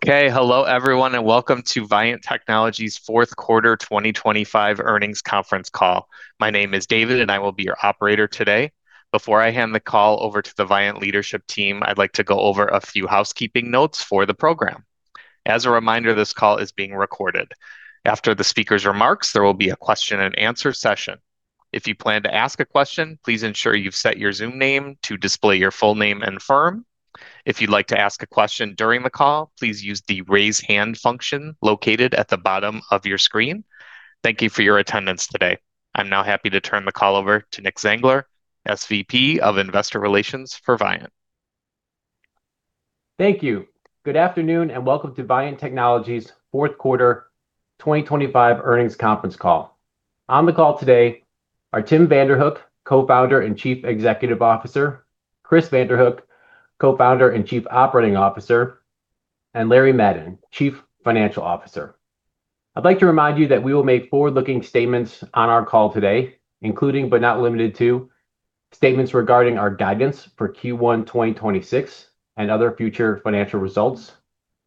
Hello everyone, and welcome to Viant Technology's fourth quarter 2025 earnings conference call. My name is David, and I will be your operator today. Before I hand the call over to the Viant leadership team, I'd like to go over a few housekeeping notes for the program. As a reminder, this call is being recorded. After the speaker's remarks, there will be a question and answer session. If you plan to ask a question, please ensure you've set your Zoom name to display your full name and firm. If you'd like to ask a question during the call, please use the Raise Hand function located at the bottom of your screen. Thank you for your attendance today. I'm now happy to turn the call over to Nick Zangler, SVP of Investor Relations for Viant. Thank you. Good afternoon, and welcome to Viant Technology's fourth quarter 2025 earnings conference call. On the call today are Tim Vanderhook, Co-founder and Chief Executive Officer, Chris Vanderhook, Co-founder and Chief Operating Officer, and Larry Madden, Chief Financial Officer. I'd like to remind you that we will make forward-looking statements on our call today, including, but not limited to, statements regarding our guidance for Q1 2026 and other future financial results,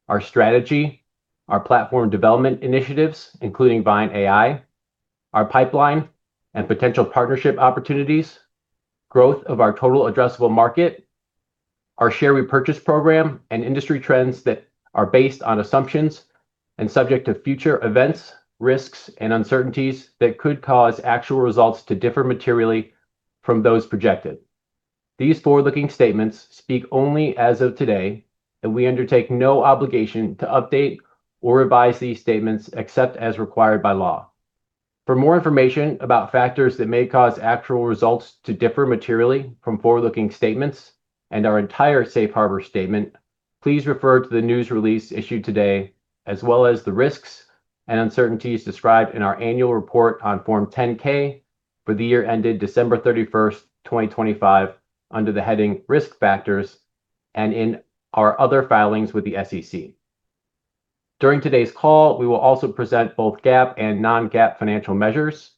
our strategy, our platform development initiatives, including Viant AI, our pipeline and potential partnership opportunities, growth of our total addressable market, our share repurchase program, and industry trends that are based on assumptions and subject to future events, risks, and uncertainties that could cause actual results to differ materially from those projected. These forward-looking statements speak only as of today, and we undertake no obligation to update or revise these statements except as required by law. For more information about factors that may cause actual results to differ materially from forward-looking statements and our entire safe harbor statement, please refer to the news release issued today, as well as the risks and uncertainties described in our annual report on Form 10-K for the year ended December 31st, 2025, under the heading Risk Factors and in our other filings with the SEC. During today's call, we will also present both GAAP and non-GAAP financial measures.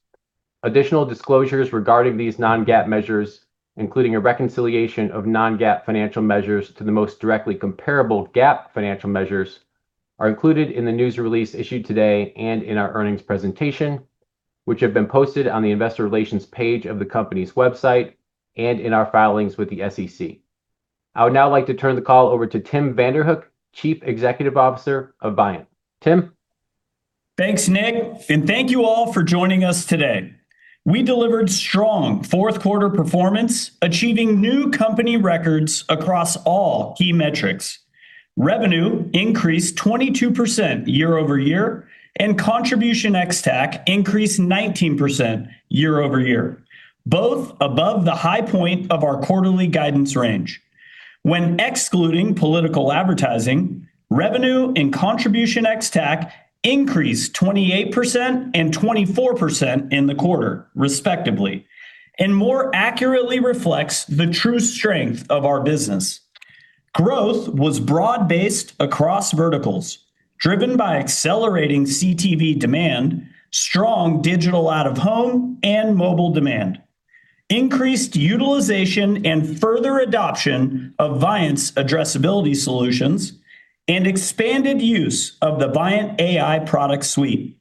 Additional disclosures regarding these non-GAAP measures, including a reconciliation of non-GAAP financial measures to the most directly comparable GAAP financial measures, are included in the news release issued today and in our earnings presentation, which have been posted on the investor relations page of the company's website and in our filings with the SEC. I would now like to turn the call over to Tim Vanderhook, Chief Executive Officer of Viant. Tim. Thanks, Nick, and thank you all for joining us today. We delivered strong fourth quarter performance, achieving new company records across all key metrics. Revenue increased 22% year-over-year, and contribution ex-TAC increased 19% year-over-year, both above the high point of our quarterly guidance range. When excluding political advertising, revenue and contribution ex-TAC increased 28% and 24% in the quarter, respectively, and more accurately reflects the true strength of our business. Growth was broad-based across verticals, driven by accelerating CTV demand, strong digital out-of-home and mobile demand, increased utilization and further adoption of Viant's addressability solutions, and expanded use of the Viant AI product suite.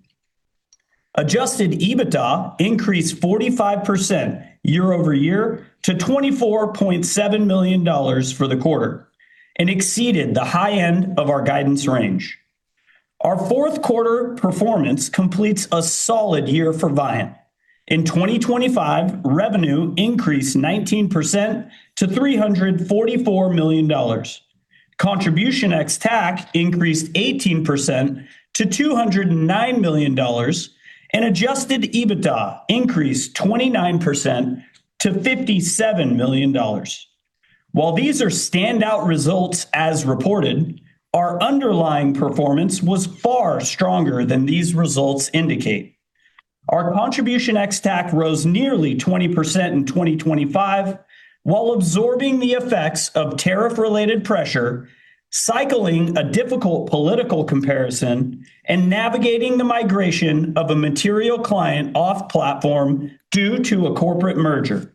Adjusted EBITDA increased 45% year-over-year to $24.7 million for the quarter and exceeded the high end of our guidance range. Our fourth quarter performance completes a solid year for Viant. In 2025, revenue increased 19% to $344 million. Contribution ex-TAC increased 18% to $209 million, and adjusted EBITDA increased 29% to $57 million. While these are standout results as reported, our underlying performance was far stronger than these results indicate. Our contribution ex-TAC rose nearly 20% in 2025 while absorbing the effects of tariff-related pressure, cycling a difficult political comparison, and navigating the migration of a material client off-platform due to a corporate merger.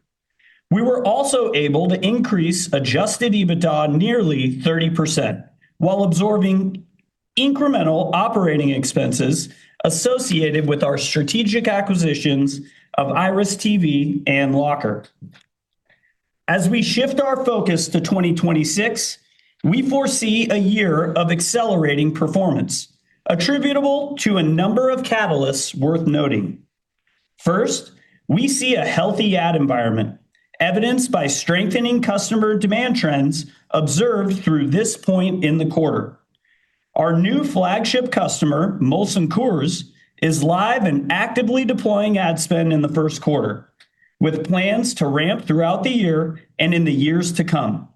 We were also able to increase adjusted EBITDA nearly 30% while absorbing incremental operating expenses associated with our strategic acquisitions of IRIS.TV and Lockr. As we shift our focus to 2026, we foresee a year of accelerating performance attributable to a number of catalysts worth noting. First, we see a healthy ad environment evidenced by strengthening customer demand trends observed through this point in the quarter. Our new flagship customer, Molson Coors, is live and actively deploying ad spend in the first quarter, with plans to ramp throughout the year and in the years to come.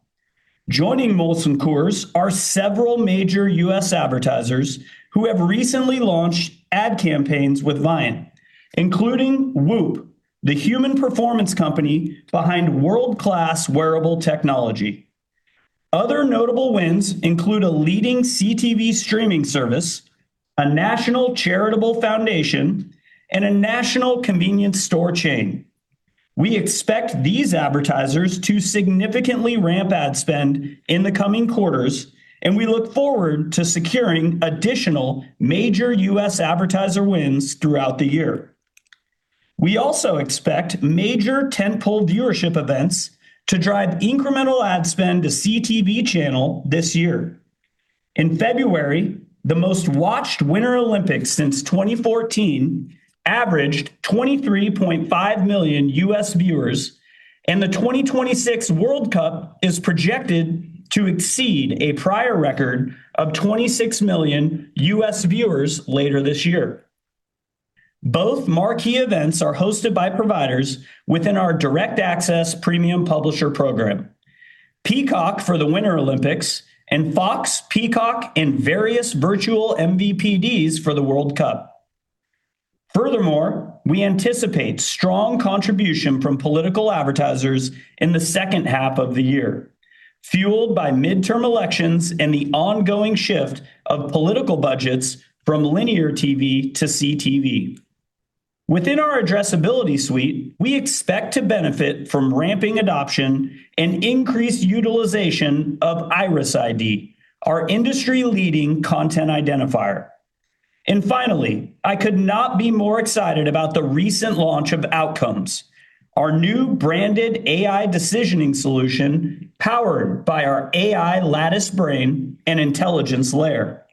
Joining Molson Coors are several major U.S. advertisers who have recently launched ad campaigns with Viant, including WHOOP, the human performance company behind world-class wearable technology. Other notable wins include a leading CTV streaming service, a national charitable foundation, and a national convenience store chain. We expect these advertisers to significantly ramp ad spend in the coming quarters, and we look forward to securing additional major U.S. advertiser wins throughout the year. We also expect major tentpole viewership events to drive incremental ad spend to CTV channel this year. In February, the most-watched Winter Olympics since 2014 averaged 23.5 million U.S. viewers, and the 2026 World Cup is projected to exceed a prior record of 26 million U.S. viewers later this year. Both marquee events are hosted by providers within our Direct Access premium publisher program, Peacock for the Winter Olympics and Fox, Peacock, and various virtual MVPDs for the World Cup. Furthermore, we anticipate strong contribution from political advertisers in the second half of the year, fueled by midterm elections and the ongoing shift of political budgets from linear TV to CTV. Within our addressability suite, we expect to benefit from ramping adoption and increased utilization of IRIS_ID, our industry-leading content identifier. Finally, I could not be more excited about the recent launch of Outcomes, our new branded AI decisioning solution powered by our AI Lattice Brain and intelligence layer,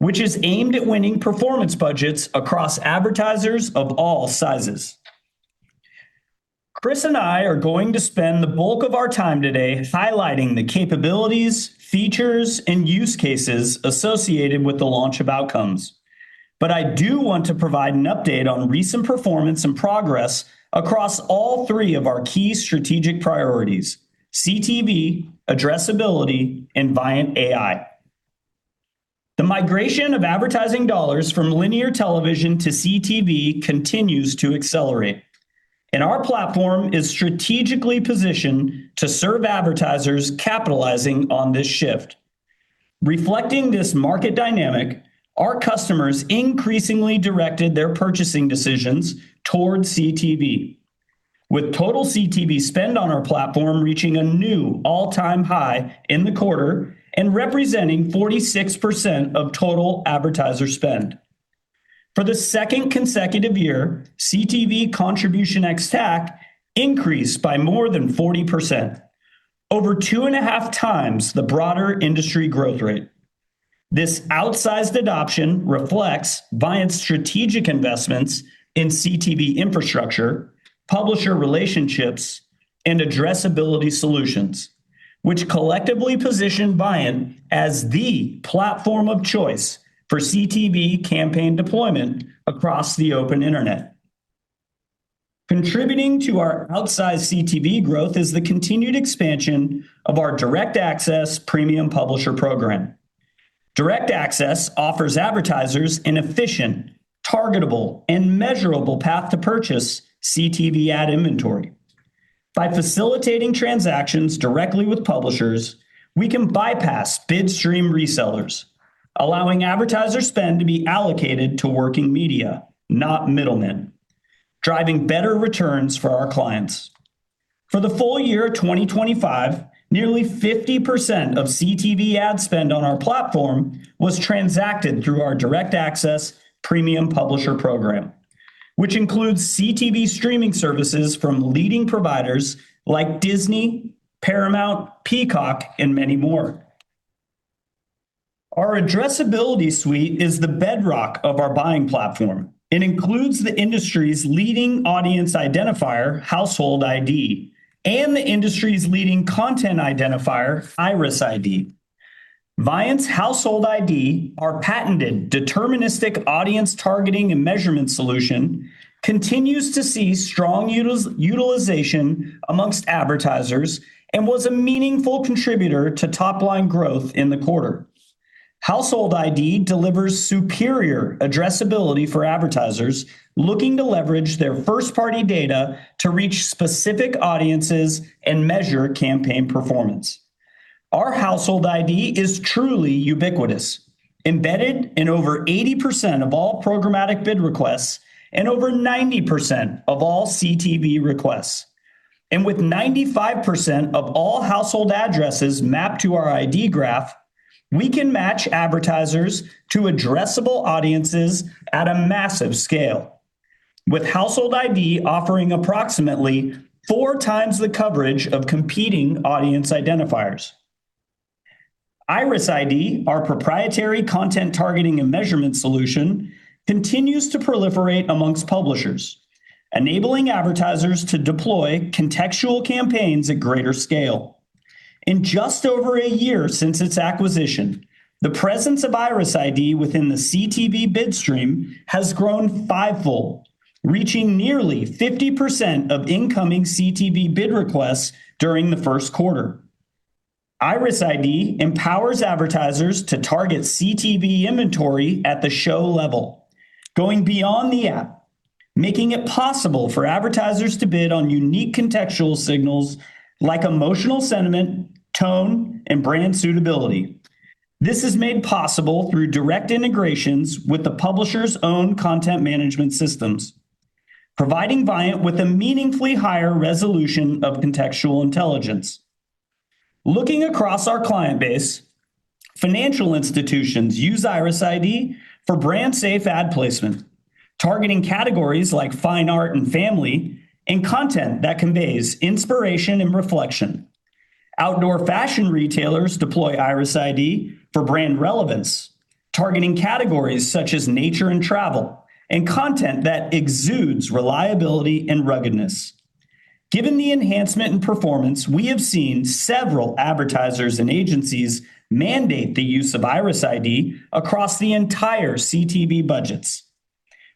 which is aimed at winning performance budgets across advertisers of all sizes. Chris and I are going to spend the bulk of our time today highlighting the capabilities, features, and use cases associated with the launch of Outcomes. I do want to provide an update on recent performance and progress across all three of our key strategic priorities: CTV, addressability, and Viant AI. The migration of advertising dollars from linear television to CTV continues to accelerate, and our platform is strategically positioned to serve advertisers capitalizing on this shift. Reflecting this market dynamic, our customers increasingly directed their purchasing decisions towards CTV, with total CTV spend on our platform reaching a new all-time high in the quarter and representing 46% of total advertiser spend. For the second consecutive year, CTV contribution ex-TAC increased by more than 40%, over two and a half times the broader industry growth rate. This outsized adoption reflects Viant's strategic investments in CTV infrastructure, publisher relationships, and addressability solutions, which collectively position Viant as the platform of choice for CTV campaign deployment across the open internet. Contributing to our outsized CTV growth is the continued expansion of our Direct Access premium publisher program. Direct Access offers advertisers an efficient, targetable, and measurable path to purchase CTV ad inventory. By facilitating transactions directly with publishers, we can bypass bid stream resellers, allowing advertiser spend to be allocated to working media, not middlemen, driving better returns for our clients. For the full year of 2025, nearly 50% of CTV ad spend on our platform was transacted through our direct access premium publisher program, which includes CTV streaming services from leading providers like Disney, Paramount, Peacock, and many more. Our addressability suite is the bedrock of our buying platform and includes the industry's leading audience identifier, Household ID, and the industry's leading content identifier, IRIS_ID. Viant's Household ID, our patented deterministic audience targeting and measurement solution, continues to see strong utilization among advertisers and was a meaningful contributor to top-line growth in the quarter. Household ID delivers superior addressability for advertisers looking to leverage their first-party data to reach specific audiences and measure campaign performance. Our Household ID is truly ubiquitous, embedded in over 80% of all programmatic bid requests and over 90% of all CTV requests. With 95% of all household addresses mapped to our ID graph, we can match advertisers to addressable audiences at a massive scale, with Household ID offering approximately 4x the coverage of competing audience identifiers. IRIS_ID, our proprietary content targeting and measurement solution, continues to proliferate amongst publishers, enabling advertisers to deploy contextual campaigns at greater scale. In just over a year since its acquisition, the presence of IRIS_ID within the CTV bid stream has grown 5-fold, reaching nearly 50% of incoming CTV bid requests during the first quarter. IRIS_ID empowers advertisers to target CTV inventory at the show level, going beyond the app, making it possible for advertisers to bid on unique contextual signals like emotional sentiment tone, and brand suitability. This is made possible through direct integrations with the publisher's own content management systems, providing Viant with a meaningfully higher resolution of contextual intelligence. Looking across our client base, financial institutions use IRIS_ID for brand safe ad placement, targeting categories like fine art and family and content that conveys inspiration and reflection. Outdoor fashion retailers deploy IRIS_ID for brand relevance, targeting categories such as nature and travel and content that exudes reliability and ruggedness. Given the enhancement in performance, we have seen several advertisers and agencies mandate the use of IRIS_ID across the entire CTV budgets,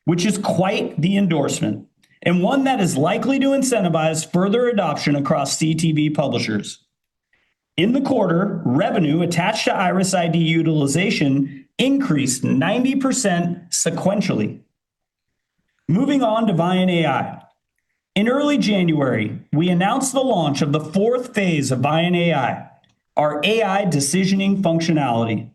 which is quite the endorsement and one that is likely to incentivize further adoption across CTV publishers. In the quarter, revenue attached to IRIS_ID utilization increased 90% sequentially. Moving on to Viant AI. In early January, we announced the launch of the fourth phase of Viant AI, our AI Decisioning functionality.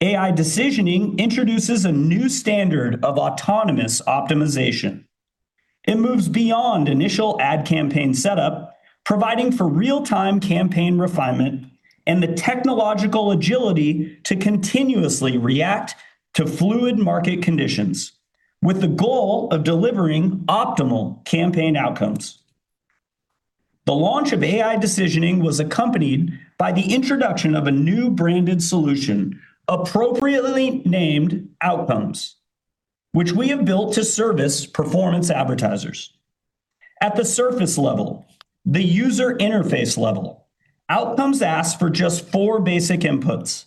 AI Decisioning introduces a new standard of autonomous optimization. It moves beyond initial ad campaign setup, providing for real-time campaign refinement and the technological agility to continuously react to fluid market conditions with the goal of delivering optimal campaign outcomes. The launch of AI Decisioning was accompanied by the introduction of a new branded solution, appropriately named Outcomes, which we have built to service performance advertisers. At the surface level, the user interface level, Outcomes asks for just four basic inputs,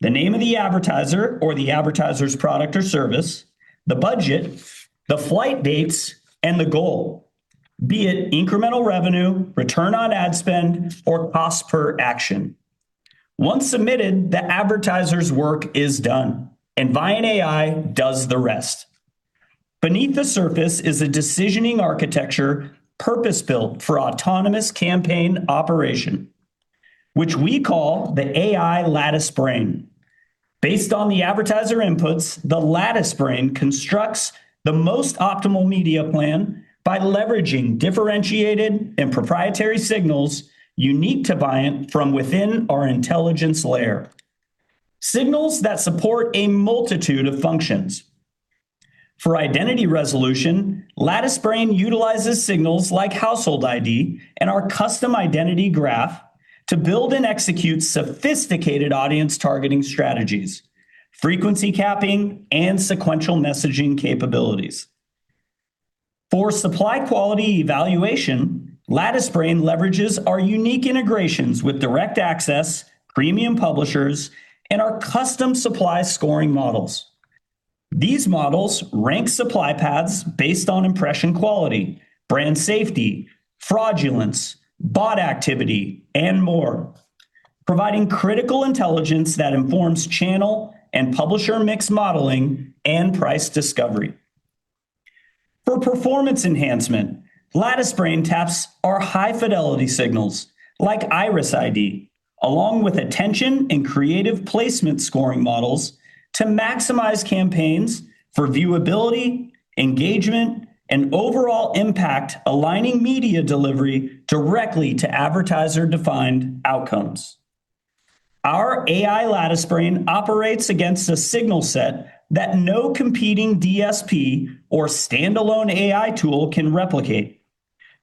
the name of the advertiser or the advertiser's product or service, the budget, the flight dates, and the goal, be it incremental revenue, return on ad spend, or cost per action. Once submitted, the advertiser's work is done and Viant AI does the rest. Beneath the surface is a decisioning architecture purpose-built for autonomous campaign operation, which we call the AI Lattice Brain. Based on the advertiser inputs, the Lattice Brain constructs the most optimal media plan by leveraging differentiated and proprietary signals unique to Viant from within our intelligence layer. Signals that support a multitude of functions. For identity resolution, Lattice Brain utilizes signals like Household ID and our custom identity graph to build and execute sophisticated audience targeting strategies, frequency capping, and sequential messaging capabilities. For supply quality evaluation, Lattice Brain leverages our unique integrations with Direct Access, premium publishers, and our custom supply scoring models. These models rank supply paths based on impression quality, brand safety, fraudulence, bot activity, and more, providing critical intelligence that informs channel and publisher mix modeling and price discovery. For performance enhancement, Lattice Brain taps our high-fidelity signals like IRIS_ID, along with attention and creative placement scoring models to maximize campaigns for viewability, engagement, and overall impact aligning media delivery directly to advertiser-defined outcomes. Our AI Lattice Brain operates against a signal set that no competing DSP or standalone AI tool can replicate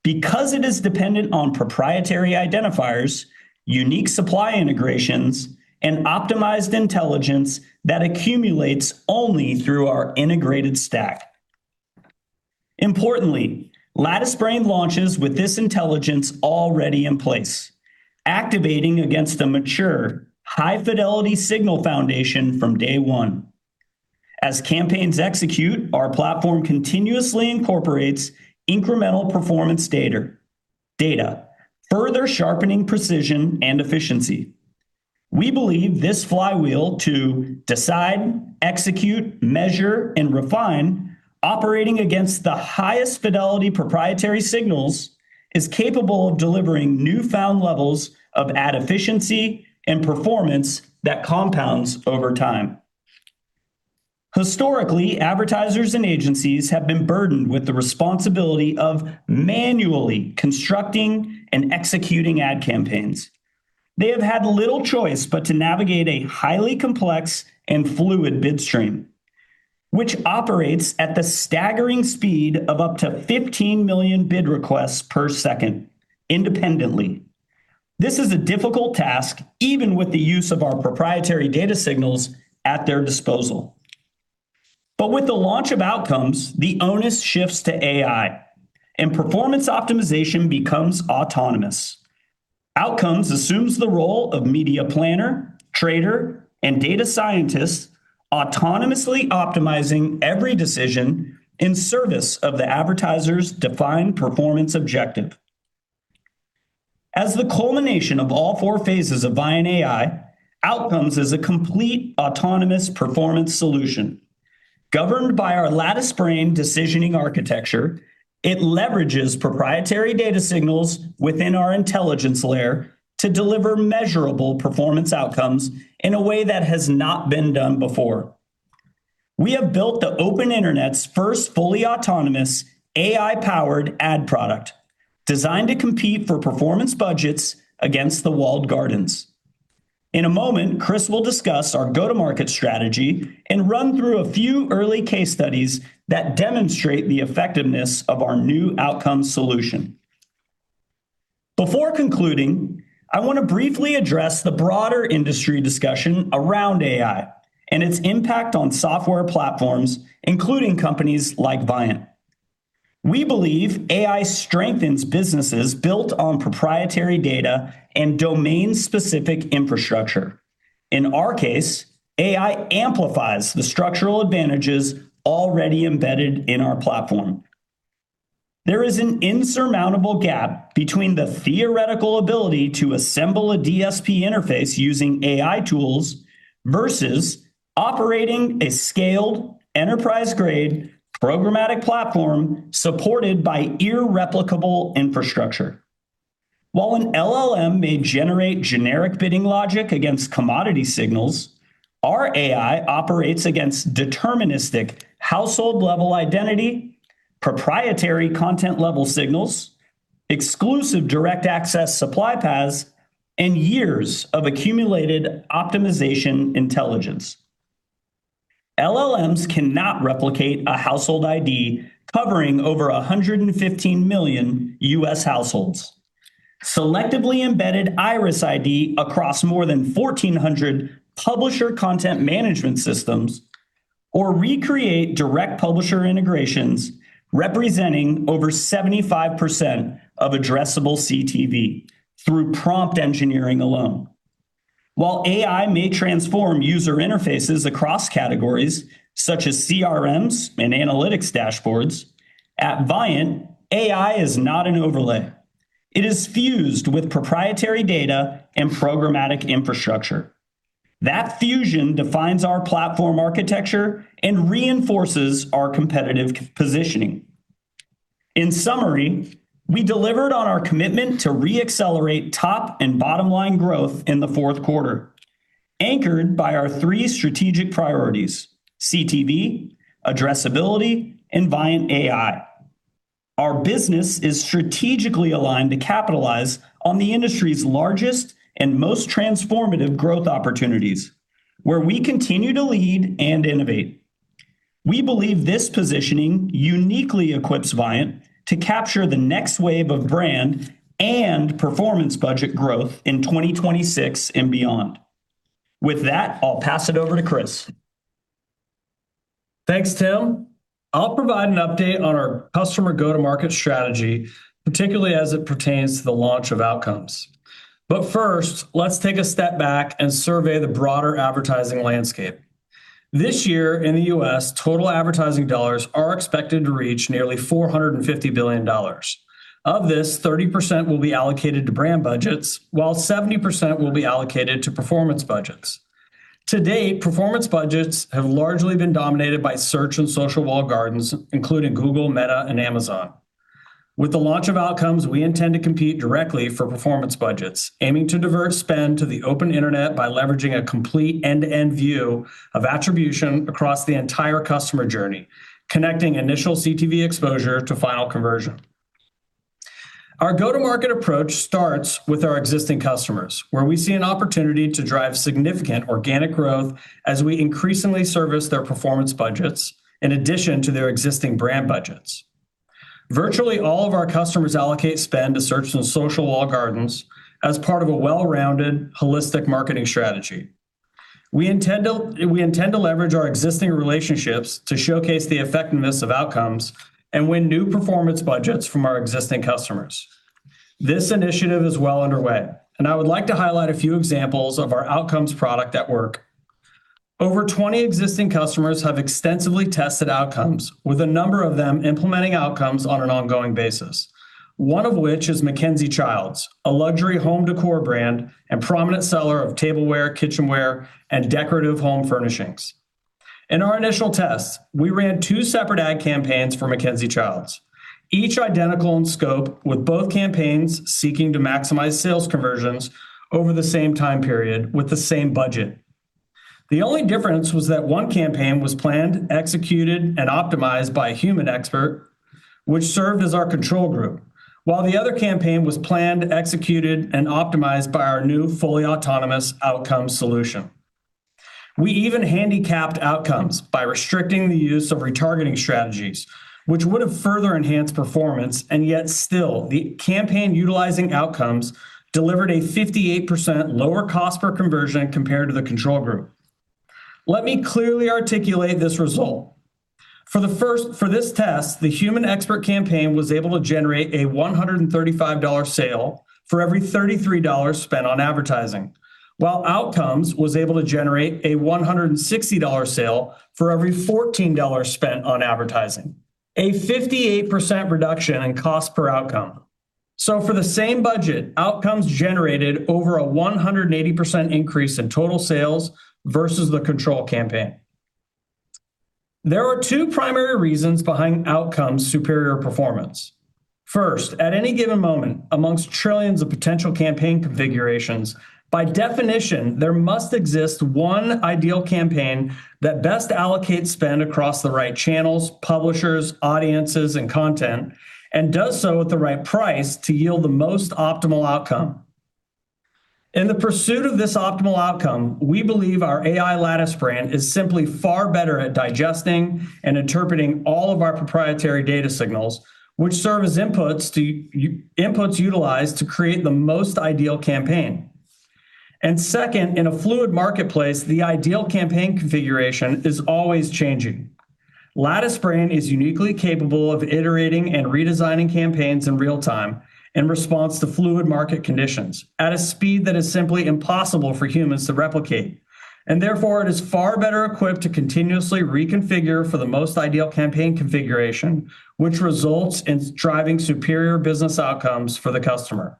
because it is dependent on proprietary identifiers, unique supply integrations, and optimized intelligence that accumulates only through our integrated stack. Importantly, Lattice Brain launches with this intelligence already in place, activating against a mature high-fidelity signal foundation from day one. As campaigns execute, our platform continuously incorporates incremental performance data, further sharpening precision and efficiency. We believe this flywheel to decide, execute, measure, and refine operating against the highest fidelity proprietary signals is capable of delivering newfound levels of ad efficiency and performance that compounds over time. Historically, advertisers and agencies have been burdened with the responsibility of manually constructing and executing ad campaigns. They have had little choice but to navigate a highly complex and fluid bid stream, which operates at the staggering speed of up to 15 million bid requests per second independently. This is a difficult task even with the use of our proprietary data signals at their disposal. With the launch of Outcomes, the onus shifts to AI and performance optimization becomes autonomous. Outcomes assumes the role of media planner, trader, and data scientist autonomously optimizing every decision in service of the advertiser's defined performance objective. As the culmination of all four phases of Viant AI Outcomes is a complete autonomous performance solution. Governed by our Lattice Brain decisioning architecture, it leverages proprietary data signals within our intelligence layer to deliver measurable performance outcomes in a way that has not been done before. We have built the open Internet's first fully autonomous AI-powered ad product designed to compete for performance budgets against the walled gardens. In a moment, Chris will discuss our go-to-market strategy and run through a few early case studies that demonstrate the effectiveness of our new Outcomes solution. Before concluding, I want to briefly address the broader industry discussion around AI and its impact on software platforms, including companies like Viant. We believe AI strengthens businesses built on proprietary data and domain-specific infrastructure. In our case, AI amplifies the structural advantages already embedded in our platform. There is an insurmountable gap between the theoretical ability to assemble a DSP interface using AI tools versus operating a scaled enterprise-grade programmatic platform supported by irreplicable infrastructure. While an LLM may generate generic bidding logic against commodity signals, our AI operates against deterministic household-level identity, proprietary content-level signals, exclusive direct access supply paths, and years of accumulated optimization intelligence. LLMs cannot replicate a Household ID covering over 115 million U.S. households. Selectively embedded IRIS_ID across more than 1,400 publisher content management systems or recreate direct publisher integrations representing over 75% of addressable CTV through prompt engineering alone. While AI may transform user interfaces across categories such as CRMs and analytics dashboards, at Viant, AI is not an overlay. It is fused with proprietary data and programmatic infrastructure. That fusion defines our platform architecture and reinforces our competitive positioning. In summary, we delivered on our commitment to re-accelerate top and bottom-line growth in the fourth quarter, anchored by our three strategic priorities: CTV, addressability, and Viant AI. Our business is strategically aligned to capitalize on the industry's largest and most transformative growth opportunities, where we continue to lead and innovate. We believe this positioning uniquely equips Viant to capture the next wave of brand and performance budget growth in 2026 and beyond. With that, I'll pass it over to Chris. Thanks, Tim. I'll provide an update on our customer go-to-market strategy, particularly as it pertains to the launch of Outcomes. First, let's take a step back and survey the broader advertising landscape. This year in the U.S., total advertising dollars are expected to reach nearly $450 billion. Of this, 30% will be allocated to brand budgets, while 70% will be allocated to performance budgets. To date, performance budgets have largely been dominated by search and social walled gardens, including Google, Meta, and Amazon. With the launch of Outcomes, we intend to compete directly for performance budgets, aiming to divert spend to the open internet by leveraging a complete end-to-end view of attribution across the entire customer journey, connecting initial CTV exposure to final conversion. Our go-to-market approach starts with our existing customers, where we see an opportunity to drive significant organic growth as we increasingly service their performance budgets in addition to their existing brand budgets. Virtually all of our customers allocate spend to search and social walled gardens as part of a well-rounded, holistic marketing strategy. We intend to leverage our existing relationships to showcase the effectiveness of Outcomes and win new performance budgets from our existing customers. This initiative is well underway, and I would like to highlight a few examples of our Outcomes product at work. Over 20 existing customers have extensively tested Outcomes, with a number of them implementing Outcomes on an ongoing basis. One of which is MacKenzie-Childs, a luxury home decor brand and prominent seller of tableware, kitchenware, and decorative home furnishings. In our initial tests, we ran two separate ad campaigns for MacKenzie-Childs, each identical in scope with both campaigns seeking to maximize sales conversions over the same time period with the same budget. The only difference was that one campaign was planned, executed, and optimized by a human expert, which served as our control group, while the other campaign was planned, executed, and optimized by our new fully autonomous Outcomes solution. We even handicapped Outcomes by restricting the use of retargeting strategies, which would have further enhanced performance, and yet still, the campaign utilizing Outcomes delivered a 58% lower cost per conversion compared to the control group. Let me clearly articulate this result. For this test, the human expert campaign was able to generate a $135 sale for every $33 spent on advertising, while Outcomes was able to generate a $160 sale for every $14 spent on advertising. A 58% reduction in cost per outcome. For the same budget, Outcomes generated over a 180% increase in total sales versus the control campaign. There are two primary reasons behind Outcomes' superior performance. First, at any given moment, among trillions of potential campaign configurations, by definition, there must exist one ideal campaign that best allocates spend across the right channels, publishers, audiences, and content, and does so at the right price to yield the most optimal outcome. In the pursuit of this optimal outcome, we believe our AI Lattice Brain is simply far better at digesting and interpreting all of our proprietary data signals, which serve as inputs utilized to create the most ideal campaign. Second, in a fluid marketplace, the ideal campaign configuration is always changing. Lattice Brain is uniquely capable of iterating and redesigning campaigns in real time in response to fluid market conditions at a speed that is simply impossible for humans to replicate. Therefore, it is far better equipped to continuously reconfigure for the most ideal campaign configuration, which results in driving superior business outcomes for the customer.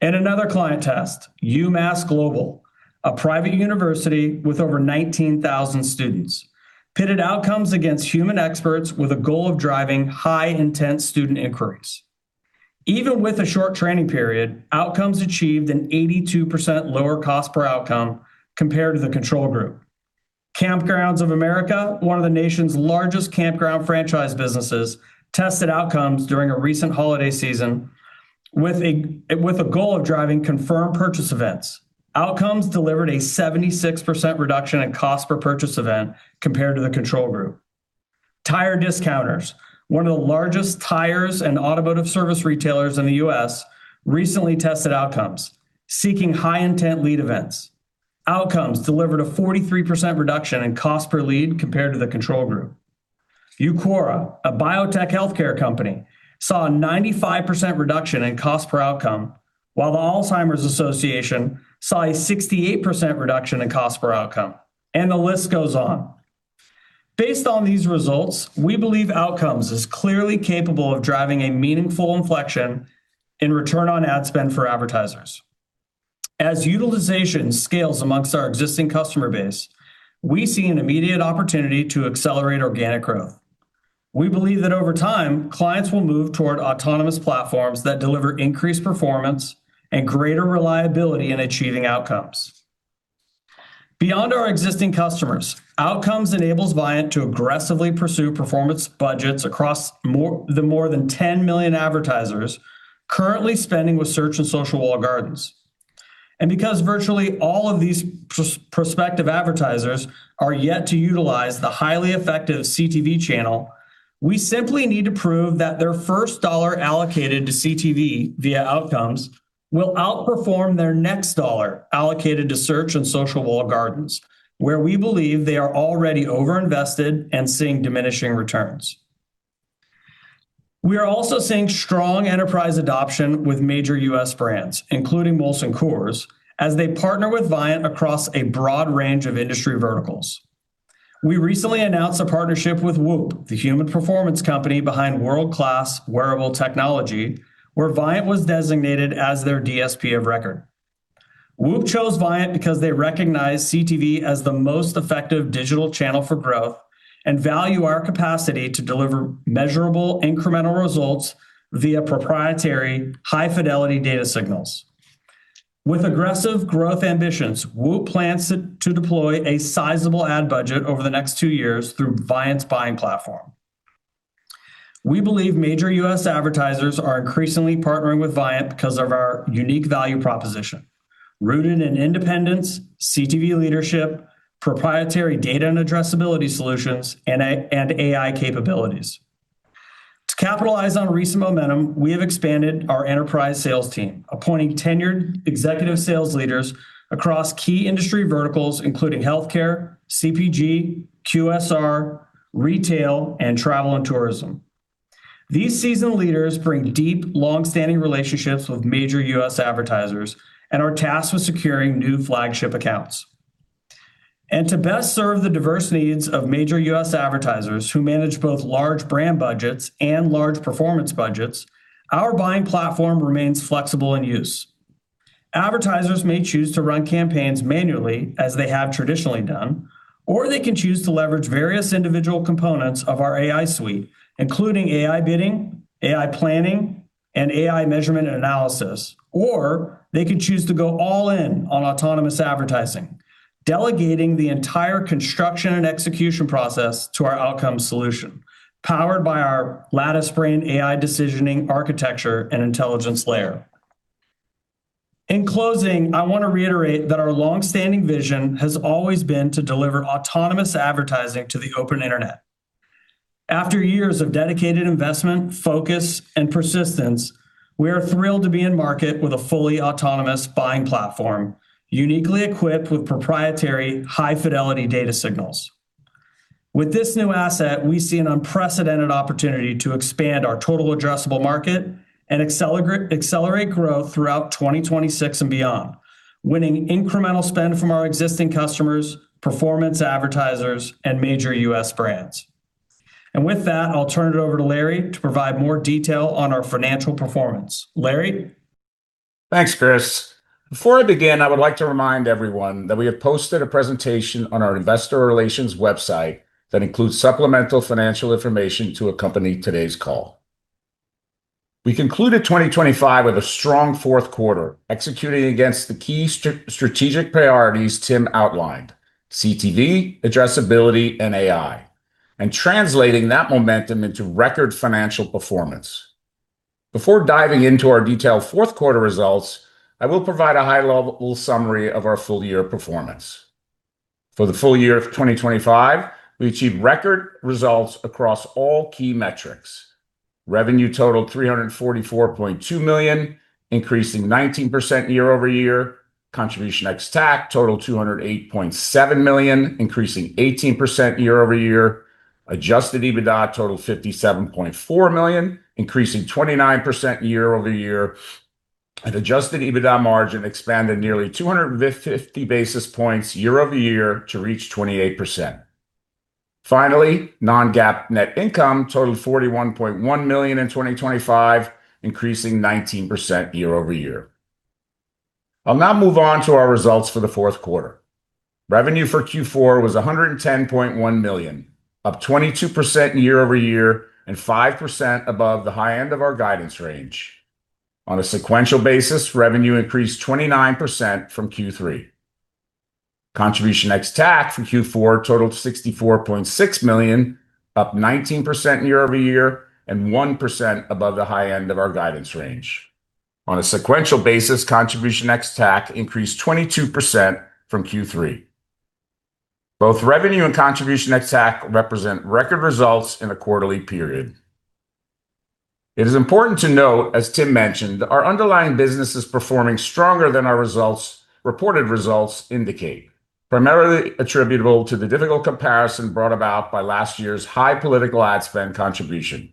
In another client test, UMass Global, a private university with over 19,000 students, pitted Outcomes against human experts with a goal of driving high-intent student inquiries. Even with a short training period, Outcomes achieved an 82% lower cost per outcome compared to the control group. Kampgrounds of America, one of the nation's largest campground franchise businesses, tested Outcomes during a recent holiday season with a goal of driving confirmed purchase events. Outcomes delivered a 76% reduction in cost per purchase event compared to the control group. Tire Discounters, one of the largest tires and automotive service retailers in the U.S., recently tested Outcomes, seeking high-intent lead events. Outcomes delivered a 43% reduction in cost per lead compared to the control group. Uqora, a biotech healthcare company, saw a 95% reduction in cost per outcome, while the Alzheimer's Association saw a 68% reduction in cost per outcome. The list goes on. Based on these results, we believe Outcomes is clearly capable of driving a meaningful inflection in return on ad spend for advertisers. As utilization scales amongst our existing customer base, we see an immediate opportunity to accelerate organic growth. We believe that over time, clients will move toward autonomous platforms that deliver increased performance and greater reliability in achieving outcomes. Beyond our existing customers, Outcomes enables Viant to aggressively pursue performance budgets across the more than 10 million advertisers currently spending with search and social walled gardens. Because virtually all of these prospective advertisers are yet to utilize the highly effective CTV channel, we simply need to prove that their first dollar allocated to CTV via Outcomes will outperform their next dollar allocated to search and social walled gardens, where we believe they are already over-invested and seeing diminishing returns. We are also seeing strong enterprise adoption with major U.S. brands, including Molson Coors, as they partner with Viant across a broad range of industry verticals. We recently announced a partnership with WHOOP, the human performance company behind world-class wearable technology, where Viant was designated as their DSP of record. WHOOP chose Viant because they recognize CTV as the most effective digital channel for growth and value our capacity to deliver measurable incremental results via proprietary high-fidelity data signals. With aggressive growth ambitions, WHOOP plans to deploy a sizable ad budget over the next two years through Viant's buying platform. We believe major U.S. advertisers are increasingly partnering with Viant because of our unique value proposition, rooted in independence, CTV leadership, proprietary data and addressability solutions, and addressability and AI capabilities. To capitalize on recent momentum, we have expanded our enterprise sales team, appointing tenured executive sales leaders across key industry verticals, including healthcare, CPG, QSR, retail, and travel and tourism. These seasoned leaders bring deep, long-standing relationships with major U.S. advertisers and are tasked with securing new flagship accounts. To best serve the diverse needs of major U.S. advertisers who manage both large brand budgets and large performance budgets, our buying platform remains flexible in use. Advertisers may choose to run campaigns manually, as they have traditionally done, or they can choose to leverage various individual components of our AI suite, including AI Bidding, AI Planning, and AI measurement and analysis. They could choose to go all in on autonomous advertising, delegating the entire construction and execution process to our Outcomes solution, powered by our Lattice Brain AI decisioning architecture and intelligence layer. In closing, I wanna reiterate that our long-standing vision has always been to deliver autonomous advertising to the open internet. After years of dedicated investment, focus, and persistence, we are thrilled to be in market with a fully autonomous buying platform, uniquely equipped with proprietary high-fidelity data signals. With this new asset, we see an unprecedented opportunity to expand our total addressable market and accelerate growth throughout 2026 and beyond, winning incremental spend from our existing customers, performance advertisers, and major U.S. brands. With that, I'll turn it over to Larry to provide more detail on our financial performance. Larry? Thanks, Chris. Before I begin, I would like to remind everyone that we have posted a presentation on our investor relations website that includes supplemental financial information to accompany today's call. We concluded 2025 with a strong fourth quarter, executing against the key strategic priorities Tim outlined, CTV, addressability, and AI, and translating that momentum into record financial performance. Before diving into our detailed fourth quarter results, I will provide a high-level summary of our full year performance. For the full year of 2025, we achieved record results across all key metrics. Revenue totaled $344.2 million, increasing 19% year-over-year. Contribution ex-TAC totaled $208.7 million, increasing 18% year-over-year. Adjusted EBITDA totaled $57.4 million, increasing 29% year-over-year. Adjusted EBITDA margin expanded nearly 250 basis points year-over-year to reach 28%. Finally, non-GAAP net income totaled $41.1 million in 2025, increasing 19% year-over-year. I'll now move on to our results for the fourth quarter. Revenue for Q4 was $110.1 million, up 22% year-over-year and 5% above the high end of our guidance range. On a sequential basis, revenue increased 29% from Q3. Contribution ex-TAC for Q4 totaled $64.6 million, up 19% year-over-year and 1% above the high end of our guidance range. On a sequential basis, contribution ex-TAC increased 22% from Q3. Both revenue and contribution ex-TAC represent record results in a quarterly period. It is important to note, as Tim mentioned, our underlying business is performing stronger than our reported results indicate, primarily attributable to the difficult comparison brought about by last year's high political ad spend contribution.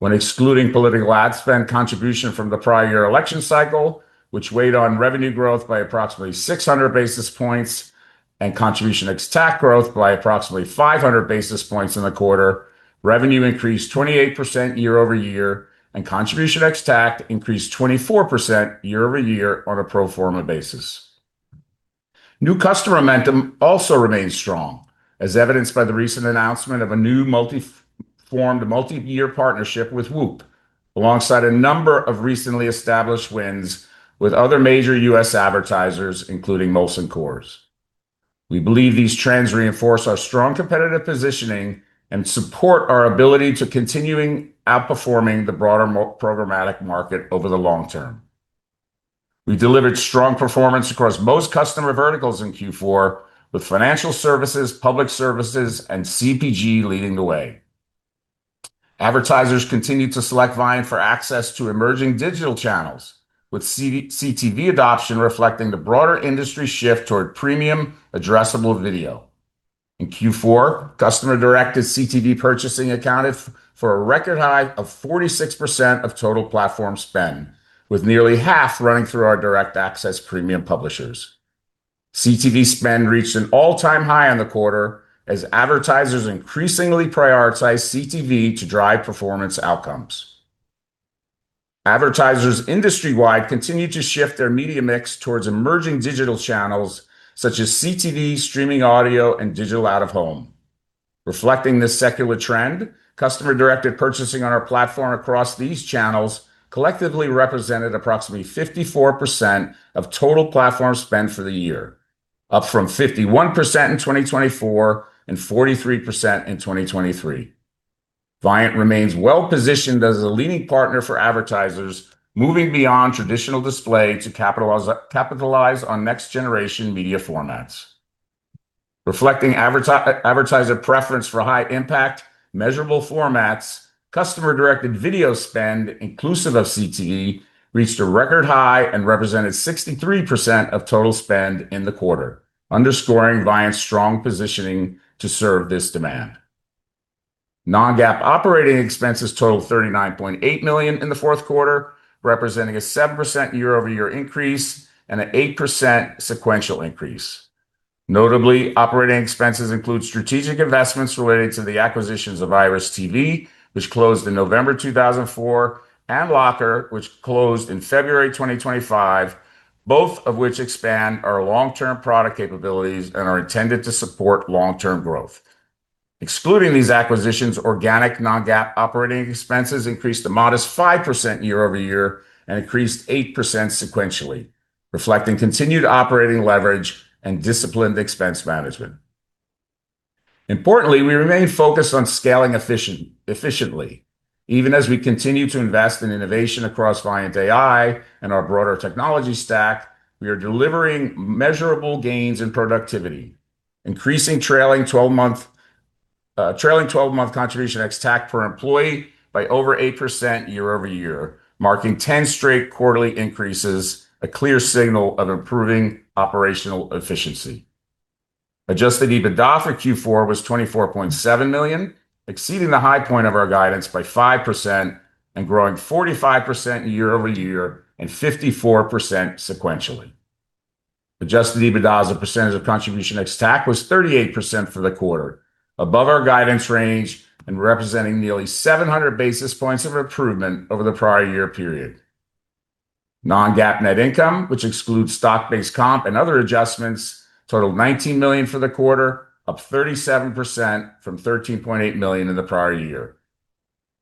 When excluding political ad spend contribution from the prior year election cycle, which weighed on revenue growth by approximately 600 basis points and contribution ex-TAC growth by approximately 500 basis points in the quarter, revenue increased 28% year-over-year, and contribution ex-TAC increased 24% year-over-year on a pro forma basis. New customer momentum also remains strong, as evidenced by the recent announcement of a new multi-year partnership with WHOOP, alongside a number of recently established wins with other major U.S. advertisers, including Molson Coors. We believe these trends reinforce our strong competitive positioning and support our ability to continuing outperforming the broader programmatic market over the long term. We delivered strong performance across most customer verticals in Q4 with financial services, public services, and CPG leading the way. Advertisers continued to select Viant for access to emerging digital channels, with CTV adoption reflecting the broader industry shift toward premium addressable video. In Q4, customer-directed CTV purchasing accounted for a record high of 46% of total platform spend, with nearly half running through our Direct Access premium publishers. CTV spend reached an all-time high in the quarter as advertisers increasingly prioritize CTV to drive performance outcomes. Advertisers industry-wide continue to shift their media mix towards emerging digital channels such as CTV, streaming audio, and digital out-of-home. Reflecting this secular trend, customer-directed purchasing on our platform across these channels collectively represented approximately 54% of total platform spend for the year, up from 51% in 2024 and 43% in 2023. Viant remains well-positioned as a leading partner for advertisers, moving beyond traditional display to capitalize on next-generation media formats. Reflecting advertiser preference for high-impact measurable formats, customer-directed video spend, inclusive of CTV, reached a record high and represented 63% of total spend in the quarter, underscoring Viant's strong positioning to serve this demand. Non-GAAP operating expenses totaled $39.8 million in the fourth quarter, representing a 7% year-over-year increase and an 8% sequential increase. Notably, operating expenses include strategic investments related to the acquisitions of IRIS.TV, which closed in November 2024, and Lockr, which closed in February 2025, both of which expand our long-term product capabilities and are intended to support long-term growth. Excluding these acquisitions, organic non-GAAP operating expenses increased a modest 5% year-over-year and increased 8% sequentially, reflecting continued operating leverage and disciplined expense management. Importantly, we remain focused on scaling efficiently. Even as we continue to invest in innovation across Viant AI and our broader technology stack, we are delivering measurable gains in productivity, increasing trailing 12-month contribution ex-TAC per employee by over 8% year-over-year, marking 10 straight quarterly increases, a clear signal of improving operational efficiency. Adjusted EBITDA for Q4 was $24.7 million, exceeding the high point of our guidance by 5% and growing 45% year-over-year and 54% sequentially. Adjusted EBITDA as a percentage of contribution ex-TAC was 38% for the quarter, above our guidance range and representing nearly 700 basis points of improvement over the prior year period. Non-GAAP net income, which excludes stock-based comp and other adjustments, totaled $19 million for the quarter, up 37% from $13.8 million in the prior year.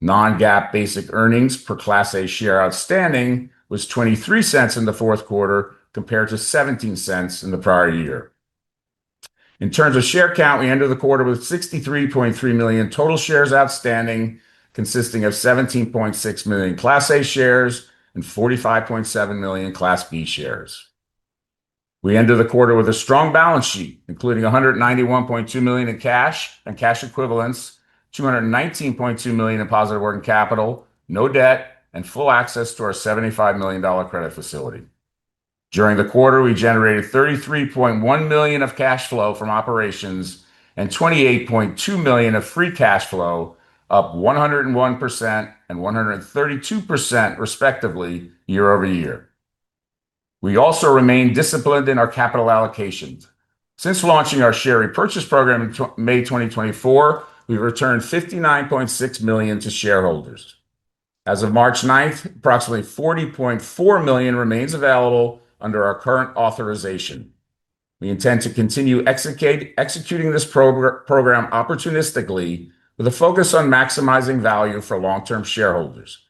Non-GAAP basic earnings per Class A share outstanding was $0.23 in the fourth quarter compared to $0.17 in the prior year. In terms of share count, we ended the quarter with 63.3 million total shares outstanding, consisting of 17.6 million Class A shares and 45.7 million Class B shares. We ended the quarter with a strong balance sheet, including $191.2 million in cash and cash equivalents, $219.2 million in positive working capital, no debt, and full access to our $75 million credit facility. During the quarter, we generated $33.1 million of cash flow from operations and $28.2 million of free cash flow, up 101% and 132% respectively year-over-year. We also remain disciplined in our capital allocations. Since launching our share repurchase program in May 2024, we've returned $59.6 million to shareholders. As of March 9th, approximately $40.4 million remains available under our current authorization. We intend to continue executing this program opportunistically with a focus on maximizing value for long-term shareholders,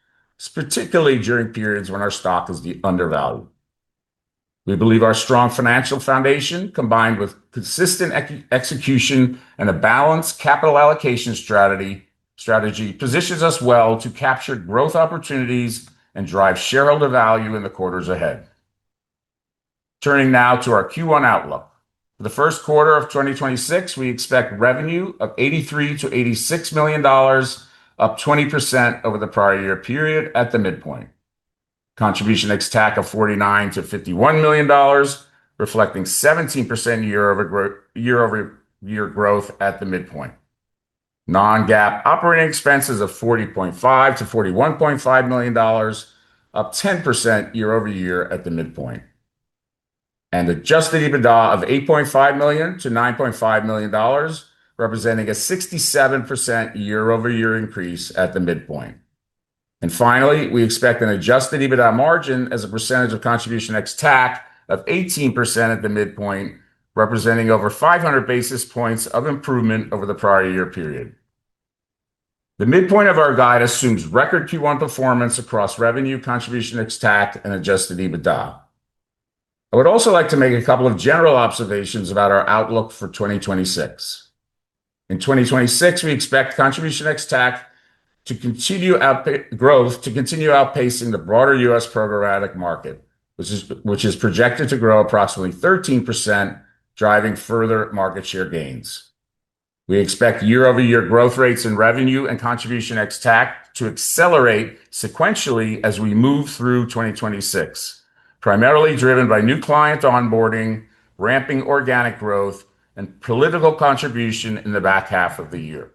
particularly during periods when our stock is undervalued. We believe our strong financial foundation, combined with consistent execution and a balanced capital allocation strategy, positions us well to capture growth opportunities and drive shareholder value in the quarters ahead. Turning now to our Q1 outlook. For the first quarter of 2026, we expect revenue of $83 million-$86 million, up 20% over the prior year period at the midpoint. Contribution ex-TAC of $49 million-$51 million, reflecting 17% year-over-year growth at the midpoint. Non-GAAP operating expenses of $40.5 million-$41.5 million, up 10% year-over-year at the midpoint. Adjusted EBITDA of $8.5 million-$9.5 million, representing a 67% year-over-year increase at the midpoint. We expect an Adjusted EBITDA margin as a percentage of contribution ex-TAC of 18% at the midpoint, representing over 500 basis points of improvement over the prior year period. The midpoint of our guide assumes record Q1 performance across revenue, contribution ex-TAC, and Adjusted EBITDA. I would also like to make a couple of general observations about our outlook for 2026. In 2026, we expect contribution ex-TAC growth to continue outpacing the broader U.S. programmatic market, which is projected to grow approximately 13%, driving further market share gains. We expect year-over-year growth rates in revenue and contribution ex-TAC to accelerate sequentially as we move through 2026, primarily driven by new client onboarding, ramping organic growth, and political contribution in the back half of the year.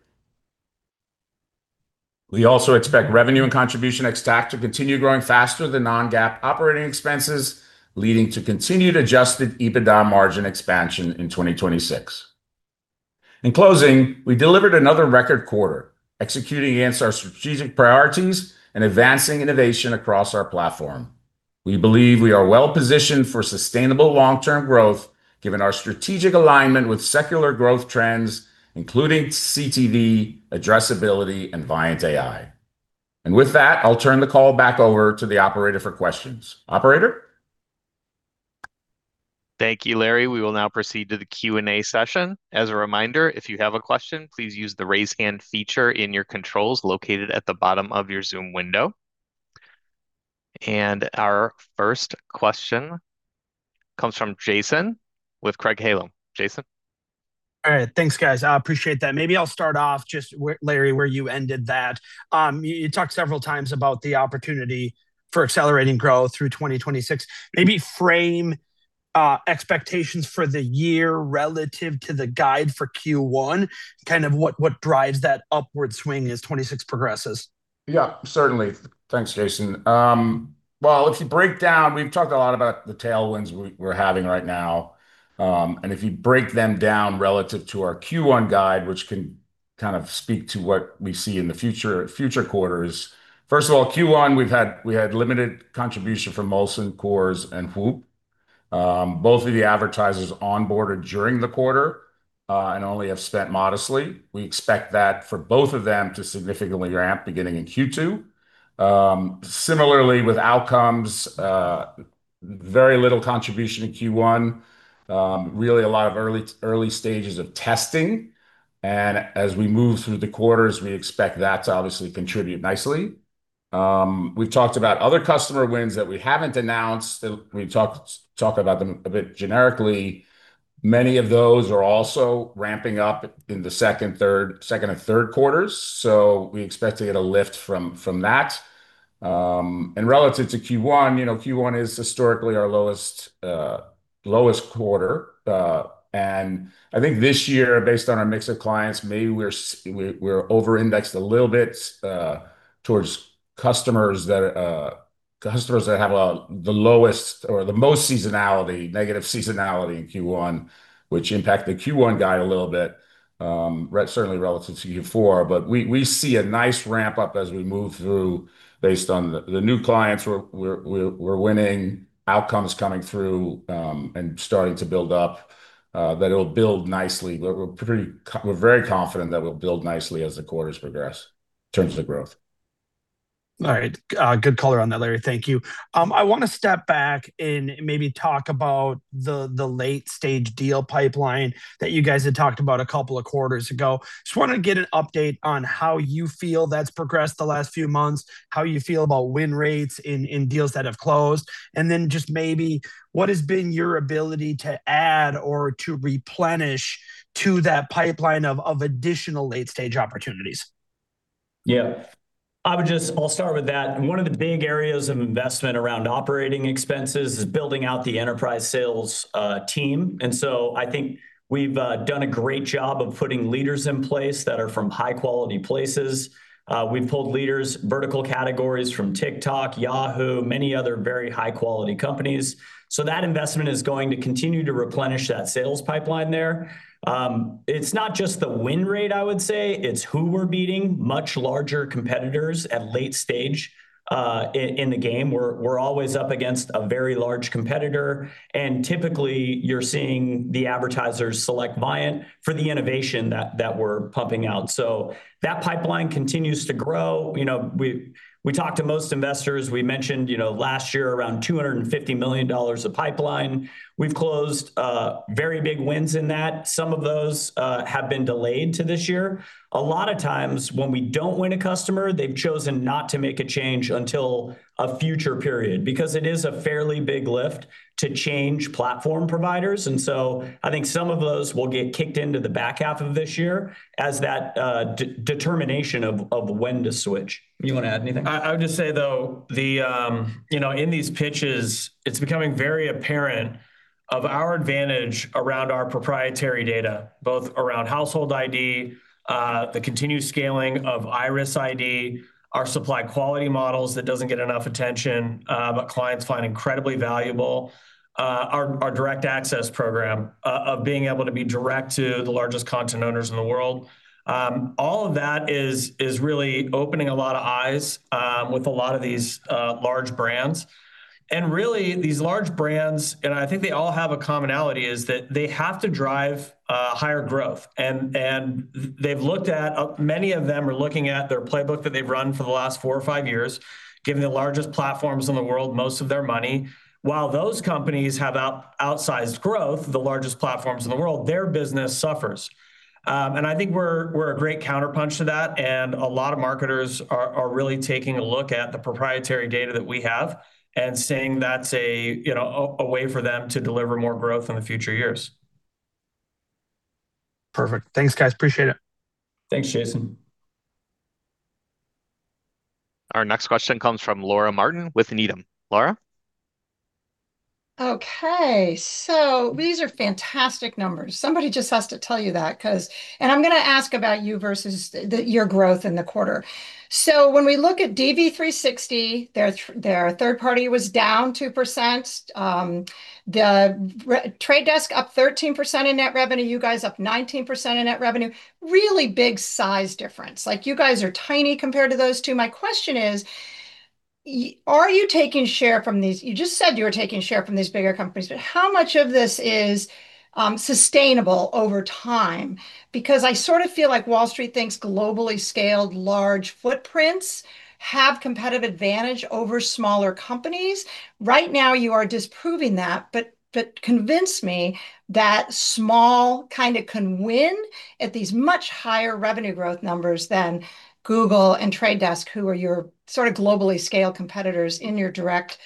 We also expect revenue and contribution ex-TAC to continue growing faster than non-GAAP operating expenses, leading to continued adjusted EBITDA margin expansion in 2026. In closing, we delivered another record quarter, executing against our strategic priorities and advancing innovation across our platform. We believe we are well-positioned for sustainable long-term growth, given our strategic alignment with secular growth trends, including CTV, addressability, and Viant AI. With that, I'll turn the call back over to the operator for questions. Operator? Thank you, Larry. We will now proceed to the Q&A session. As a reminder, if you have a question, please use the Raise Hand feature in your controls located at the bottom of your Zoom window. Our first question comes from Jason with Craig-Hallum. Jason? All right. Thanks, guys. I appreciate that. Maybe I'll start off just where, Larry, where you ended that. You talked several times about the opportunity for accelerating growth through 2026. Maybe frame expectations for the year relative to the guide for Q1, kind of what drives that upward swing as 2026 progresses. Yeah. Certainly. Thanks, Jason. Well, if you break down, we've talked a lot about the tailwinds we're having right now. If you break them down relative to our Q1 guide, which can kind of speak to what we see in the future quarters. First of all, Q1, we've had limited contribution from Molson Coors and WHOOP. Both of the advertisers onboarded during the quarter and only have spent modestly. We expect that for both of them to significantly ramp beginning in Q2. Similarly with Outcomes, very little contribution in Q1. Really a lot of early stages of testing. As we move through the quarters, we expect that to obviously contribute nicely. We've talked about other customer wins that we haven't announced that we talk about them a bit generically. Many of those are also ramping up in the second, third, second and third quarters. We expect to get a lift from that. Relative to Q1, you know, Q1 is historically our lowest quarter. I think this year, based on our mix of clients, maybe we're over-indexed a little bit. Towards customers that have the lowest or the most negative seasonality in Q1, which impacted Q1 guide a little bit, certainly relative to Q4. We see a nice ramp-up as we move through based on the new clients we're winning, Outcomes coming through, and starting to build up, that it'll build nicely. We're very confident that we'll build nicely as the quarters progress in terms of the growth. All right. Good color on that, Larry. Thank you. I wanna step back and maybe talk about the late-stage deal pipeline that you guys had talked about a couple of quarters ago. Just wanna get an update on how you feel that's progressed the last few months, how you feel about win rates in deals that have closed, and then just maybe what has been your ability to add or to replenish to that pipeline of additional late-stage opportunities. Yeah. I'll start with that. One of the big areas of investment around operating expenses is building out the enterprise sales team, and so I think we've done a great job of putting leaders in place that are from high-quality places. We've pulled leaders, vertical categories from TikTok, Yahoo, many other very high-quality companies. So that investment is going to continue to replenish that sales pipeline there. It's not just the win rate, I would say. It's who we're beating, much larger competitors at late stage in the game. We're always up against a very large competitor, and typically you're seeing the advertisers select Viant for the innovation that we're pumping out. So that pipeline continues to grow. You know, we talked to most investors. We mentioned, you know, last year around $250 million of pipeline. We've closed very big wins in that. Some of those have been delayed to this year. A lot of times when we don't win a customer, they've chosen not to make a change until a future period because it is a fairly big lift to change platform providers. I think some of those will get kicked into the back half of this year as that determination of when to switch. You wanna add anything? I would just say though the, you know, in these pitches it's becoming very apparent of our advantage around our proprietary data, both around Household ID, the continued scaling of IRIS_ID, our supply quality models that doesn't get enough attention, but clients find incredibly valuable, our Direct Access program, of being able to be direct to the largest content owners in the world. All of that is really opening a lot of eyes, with a lot of these large brands. Really these large brands, and I think they all have a commonality, is that they have to drive higher growth and they've looked at many of them are looking at their playbook that they've run for the last four or five years, giving the largest platforms in the world most of their money. While those companies have outsized growth, the largest platforms in the world, their business suffers. I think we're a great counterpunch to that, and a lot of marketers are really taking a look at the proprietary data that we have and seeing that's a, you know, a way for them to deliver more growth in the future years. Perfect. Thanks, guys. Appreciate it. Thanks, Jason. Our next question comes from Laura Martin with Needham. Laura? Okay. These are fantastic numbers. Somebody just has to tell you that 'cause I'm gonna ask about you versus your growth in the quarter. When we look at DV360, their third party was down 2%. The Trade Desk up 13% in net revenue. You guys up 19% in net revenue. Really big size difference. Like, you guys are tiny compared to those two. My question is, are you taking share from these? You just said you were taking share from these bigger companies, but how much of this is sustainable over time? Because I sort of feel like Wall Street thinks globally scaled, large footprints have competitive advantage over smaller companies. Right now you are disproving that, but convince me that small kinda can win at these much higher revenue growth numbers than Google and The Trade Desk, who are your sort of globally scaled competitors in your direct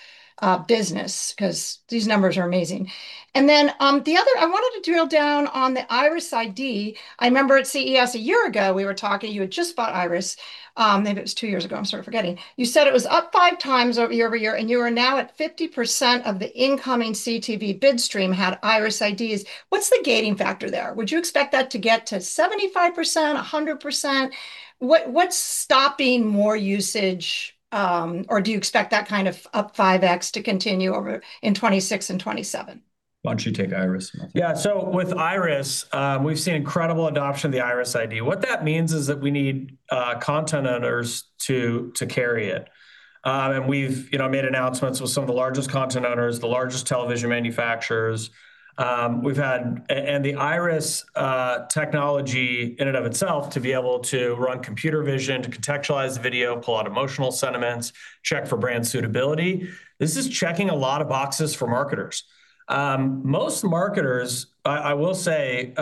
business, 'cause these numbers are amazing. Then the other I wanted to drill down on the IRIS_ID. I remember at CES a year ago we were talking, you had just bought IRIS. Maybe it was two years ago, I'm sort of forgetting. You said it was up 5x year-over-year, and you are now at 50% of the incoming CTV bid stream had IRIS_IDs. What's the gating factor there? Would you expect that to get to 75%, 100%? What's stopping more usage, or do you expect that kind of up 5x to continue over in 2026 and 2027? Why don't you take IRIS and I'll take. Yeah. With IRIS, we've seen incredible adoption of the IRIS_ID. What that means is that we need content owners to carry it. We've, you know, made announcements with some of the largest content owners, the largest television manufacturers. We've had the IRIS technology in and of itself to be able to run computer vision, to contextualize video, pull out emotional sentiments, check for brand suitability. This is checking a lot of boxes for marketers. Most marketers, I will say,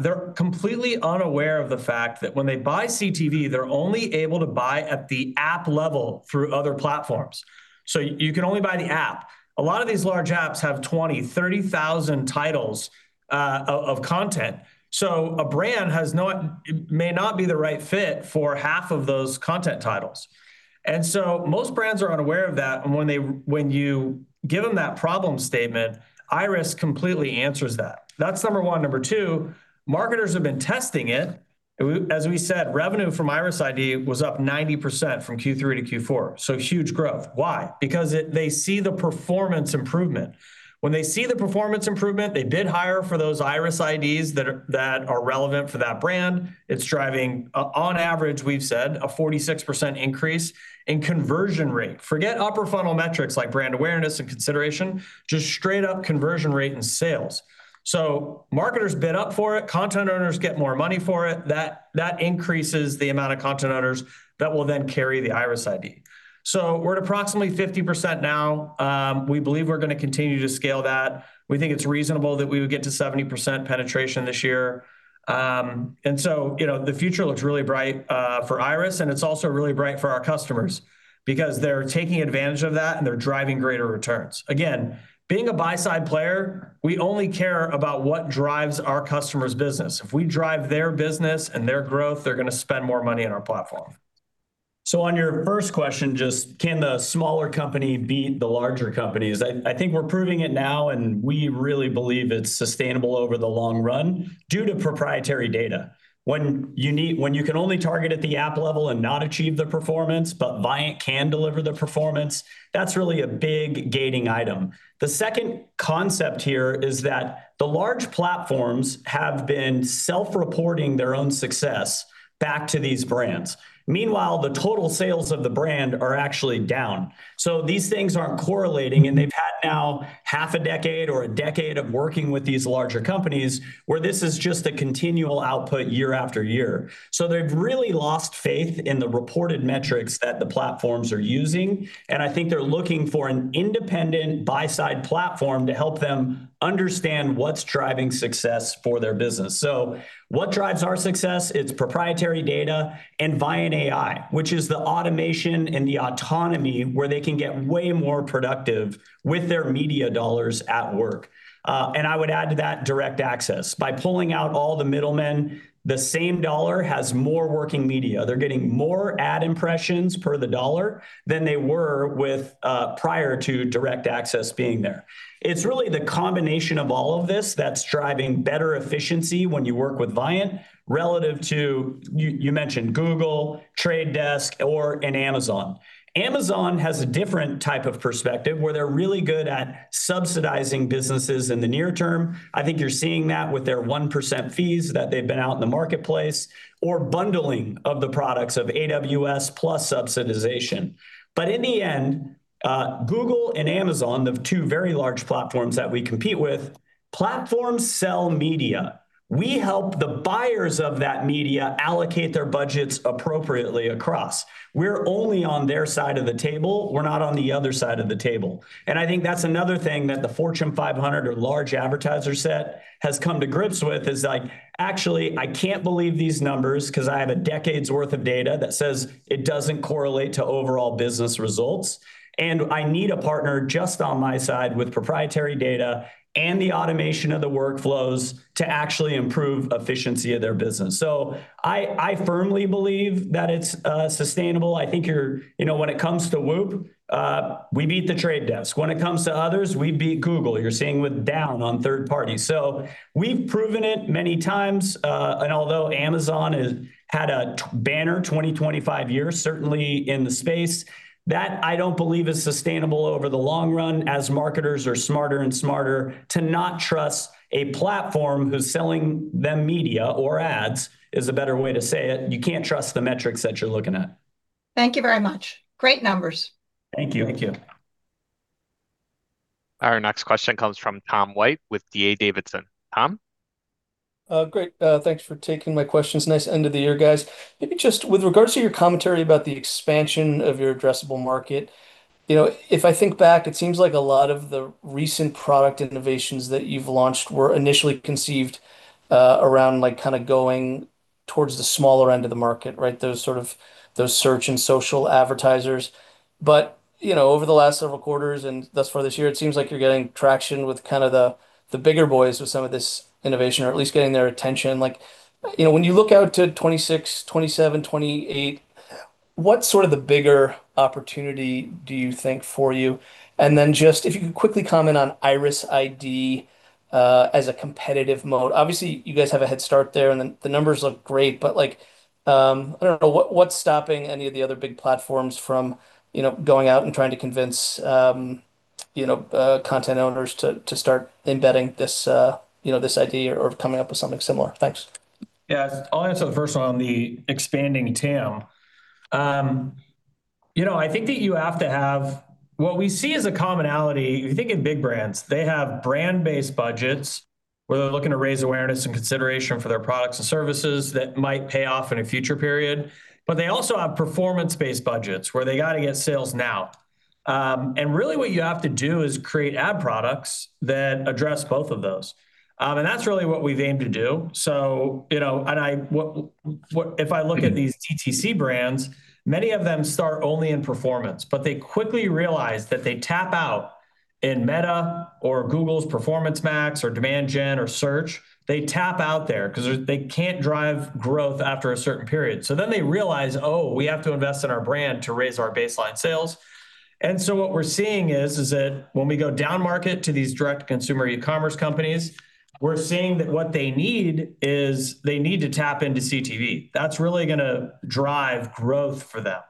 they're completely unaware of the fact that when they buy CTV, they're only able to buy at the app level through other platforms. You can only buy the app. A lot of these large apps have 20,000, 30,000 titles of content, so a brand has not... may not be the right fit for half of those content titles. Most brands are unaware of that, and when you give them that problem statement, IRIS completely answers that. That's number one. Number two, marketers have been testing it. As we said, revenue from IRIS_ID was up 90% from Q3 to Q4, huge growth. Why? Because they see the performance improvement. When they see the performance improvement, they bid higher for those IRIS_IDs that are relevant for that brand. It's driving on average, we've said, a 46% increase in conversion rate. Forget upper funnel metrics like brand awareness and consideration, just straight up conversion rate and sales. Marketers bid up for it, content owners get more money for it. That increases the amount of content owners that will then carry the IRIS_ID. We're at approximately 50% now. We believe we're gonna continue to scale that. We think it's reasonable that we would get to 70% penetration this year. You know, the future looks really bright for IRIS, and it's also really bright for our customers because they're taking advantage of that and they're driving greater returns. Again, being a buy-side player, we only care about what drives our customers' business. If we drive their business and their growth, they're gonna spend more money on our platform. On your first question, just can the smaller company beat the larger companies? I think we're proving it now, and we really believe it's sustainable over the long run due to proprietary data. When you can only target at the app level and not achieve the performance, but Viant can deliver the performance, that's really a big gating item. The second concept here is that the large platforms have been self-reporting their own success back to these brands. Meanwhile, the total sales of the brand are actually down. These things aren't correlating, and they've had now half a decade or a decade of working with these larger companies where this is just a continual output year-after-year. They've really lost faith in the reported metrics that the platforms are using, and I think they're looking for an independent buy-side platform to help them understand what's driving success for their business. What drives our success? It's proprietary data and Viant AI, which is the automation and the autonomy where they can get way more productive with their media dollars at work. And I would add to that Direct Access. By pulling out all the middlemen, the same dollar has more working media. They're getting more ad impressions per the dollar than they were with, prior to Direct Access being there. It's really the combination of all of this that's driving better efficiency when you work with Viant relative to you mentioned Google, The Trade Desk and Amazon. Amazon has a different type of perspective, where they're really good at subsidizing businesses in the near term. I think you're seeing that with their 1% fees that they've been out in the marketplace or bundling of the products of AWS plus subsidization. In the end, Google and Amazon, the two very large platforms that we compete with, platforms sell media. We help the buyers of that media allocate their budgets appropriately across. We're only on their side of the table, we're not on the other side of the table. I think that's another thing that the Fortune 500 or large advertiser set has come to grips with is like, "Actually, I can't believe these numbers because I have a decade's worth of data that says it doesn't correlate to overall business results, and I need a partner just on my side with proprietary data and the automation of the workflows to actually improve efficiency of their business." I firmly believe that it's sustainable. I think you know, when it comes to WHOOP, we beat The Trade Desk. When it comes to others, we beat Google. You're seeing the downside on third-party. We've proven it many times. Although Amazon had a banner 2025 certainly in the space, that I don't believe is sustainable over the long run as marketers are smarter and smarter to not trust a platform who's selling them media or ads, is a better way to say it. You can't trust the metrics that you're looking at. Thank you very much. Great numbers. Thank you. Thank you. Our next question comes from Tom White with D.A. Davidson. Tom. Great. Thanks for taking my questions. Nice end of the year, guys. Maybe just with regards to your commentary about the expansion of your addressable market, you know, if I think back, it seems like a lot of the recent product innovations that you've launched were initially conceived around, like, kind of going towards the smaller end of the market, right? Those sort of search and social advertisers. You know, over the last several quarters and thus far this year, it seems like you're getting traction with kind of the bigger boys with some of this innovation or at least getting their attention. Like, you know, when you look out to 2026, 2027, 2028, what's sort of the bigger opportunity do you think for you? And then just if you could quickly comment on IRIS_ID as a competitive moat. Obviously, you guys have a head start there, and the numbers look great. Like, I don't know, what's stopping any of the other big platforms from, you know, going out and trying to convince, you know, content owners to start embedding this, you know, this ID or coming up with something similar? Thanks. Yeah. I'll answer the first one on the expanding TAM. You know, I think that you have to have what we see as a commonality. If you think in big brands, they have brand-based budgets where they're looking to raise awareness and consideration for their products and services that might pay off in a future period, but they also have performance-based budgets where they gotta get sales now. Really what you have to do is create ad products that address both of those. That's really what we've aimed to do. You know, if I look at these DTC brands, many of them start only in performance, but they quickly realize that they tap out in Meta or Google's Performance Max or Demand Gen or Search. They tap out there 'cause they can't drive growth after a certain period. They realize, "Oh, we have to invest in our brand to raise our baseline sales." What we're seeing is that when we go down-market to these direct consumer e-commerce companies, we're seeing that what they need is to tap into CTV. That's really gonna drive growth for them.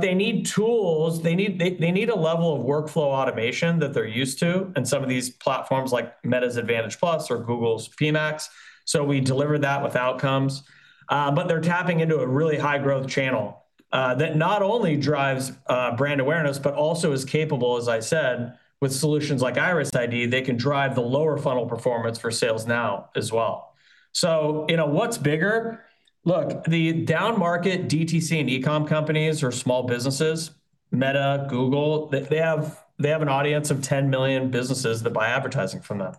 They need tools. They need a level of workflow automation that they're used to, and some of these platforms like Meta's Advantage+ or Google's PMax, so we deliver that with Outcomes. They're tapping into a really high-growth channel that not only drives brand awareness, but also is capable, as I said, with solutions like IRIS_ID, they can drive the lower funnel performance for sales now as well. You know, what's bigger? Look, the down-market DTC and e-com companies or small businesses, Meta, Google, they have an audience of 10 million businesses that buy advertising from them.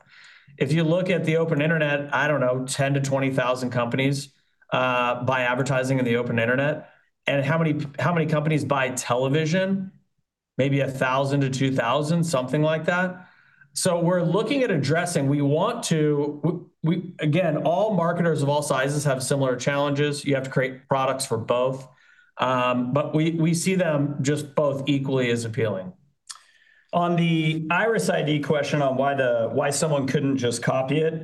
If you look at the open internet, I don't know, 10,000-20,000 companies buy advertising in the open internet. How many companies buy television? Maybe 1,000-2,000, something like that. We're looking at addressing. We want to. Again, all marketers of all sizes have similar challenges. You have to create products for both. But we see them just both equally as appealing. On the IRIS_ID question on why why someone couldn't just copy it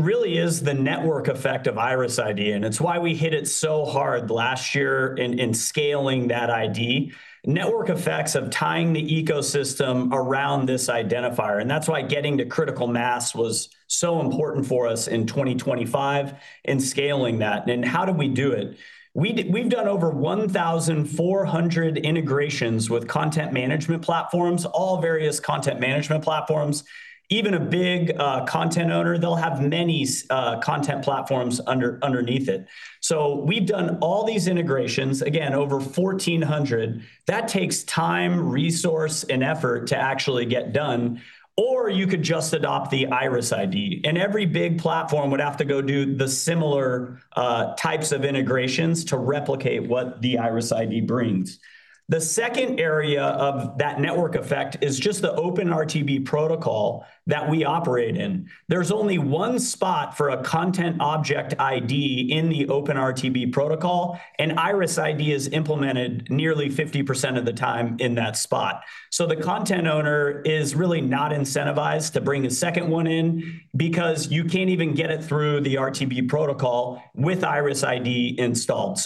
really is the network effect of IRIS_ID, and it's why we hit it so hard last year in scaling that ID. Network effects of tying the ecosystem around this identifier, and that's why getting to critical mass was so important for us in 2025 in scaling that. How did we do it? We've done over 1,400 integrations with content management platforms, all various content management platforms. Even a big content owner, they'll have many content platforms underneath it. So we've done all these integrations, again, over 1,400. That takes time, resource, and effort to actually get done, or you could just adopt the IRIS_ID. Every big platform would have to go do the similar types of integrations to replicate what the IRIS_ID brings. The second area of that network effect is just the OpenRTB protocol that we operate in. There's only one spot for a content object ID in the OpenRTB protocol, and IRIS_ID is implemented nearly 50% of the time in that spot. The content owner is really not incentivized to bring a second one in because you can't even get it through the RTB protocol with IRIS_ID installed.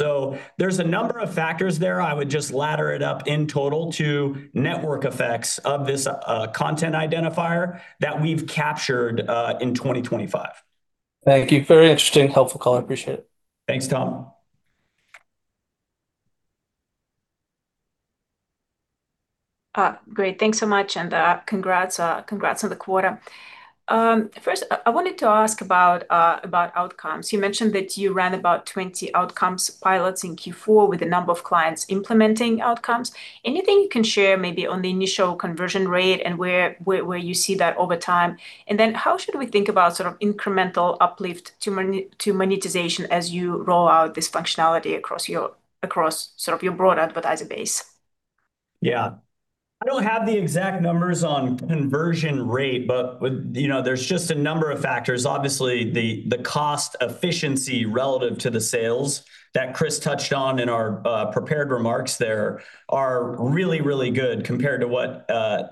There's a number of factors there. I would just ladder it up in total to network effects of this content identifier that we've captured in 2025. Thank you. Very interesting, helpful call. I appreciate it. Thanks, Tom. Great. Thanks so much, and congrats on the quarter. First, I wanted to ask about Outcomes. You mentioned that you ran about 20 Outcomes pilots in Q4 with a number of clients implementing Outcomes. Anything you can share maybe on the initial conversion rate and where you see that over time? Then how should we think about sort of incremental uplift to monetization as you roll out this functionality across sort of your broad advertiser base? Yeah. I don't have the exact numbers on conversion rate, but with. You know, there's just a number of factors. Obviously, the cost efficiency relative to the sales that Chris touched on in our prepared remarks there are really, really good compared to what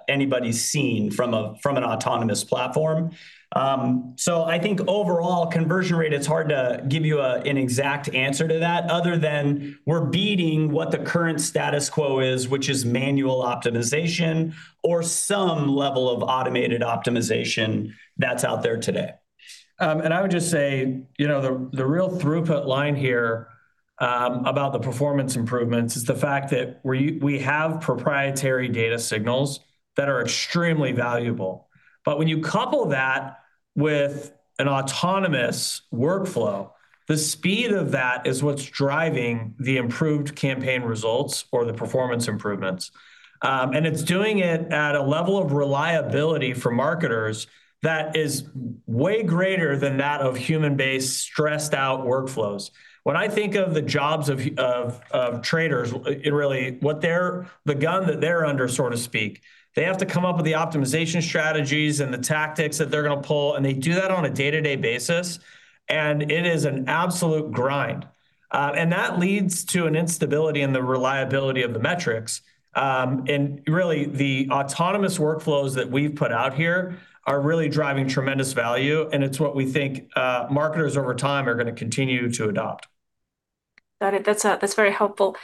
anybody's seen from an autonomous platform. So I think overall conversion rate, it's hard to give you an exact answer to that other than we're beating what the current status quo is, which is manual optimization or some level of automated optimization that's out there today. I would just say, you know, the real throughput line here about the performance improvements is the fact that we have proprietary data signals that are extremely valuable. When you couple that with an autonomous workflow, the speed of that is what's driving the improved campaign results or the performance improvements. It's doing it at a level of reliability for marketers that is way greater than that of human-based stressed out workflows. When I think of the jobs of traders, it really the gun that they're under, so to speak, they have to come up with the optimization strategies and the tactics that they're gonna pull, and they do that on a day-to-day basis, and it is an absolute grind. That leads to an instability in the reliability of the metrics. Really the autonomous workflows that we've put out here are really driving tremendous value, and it's what we think, marketers over time are gonna continue to adopt. Got it. That's very helpful.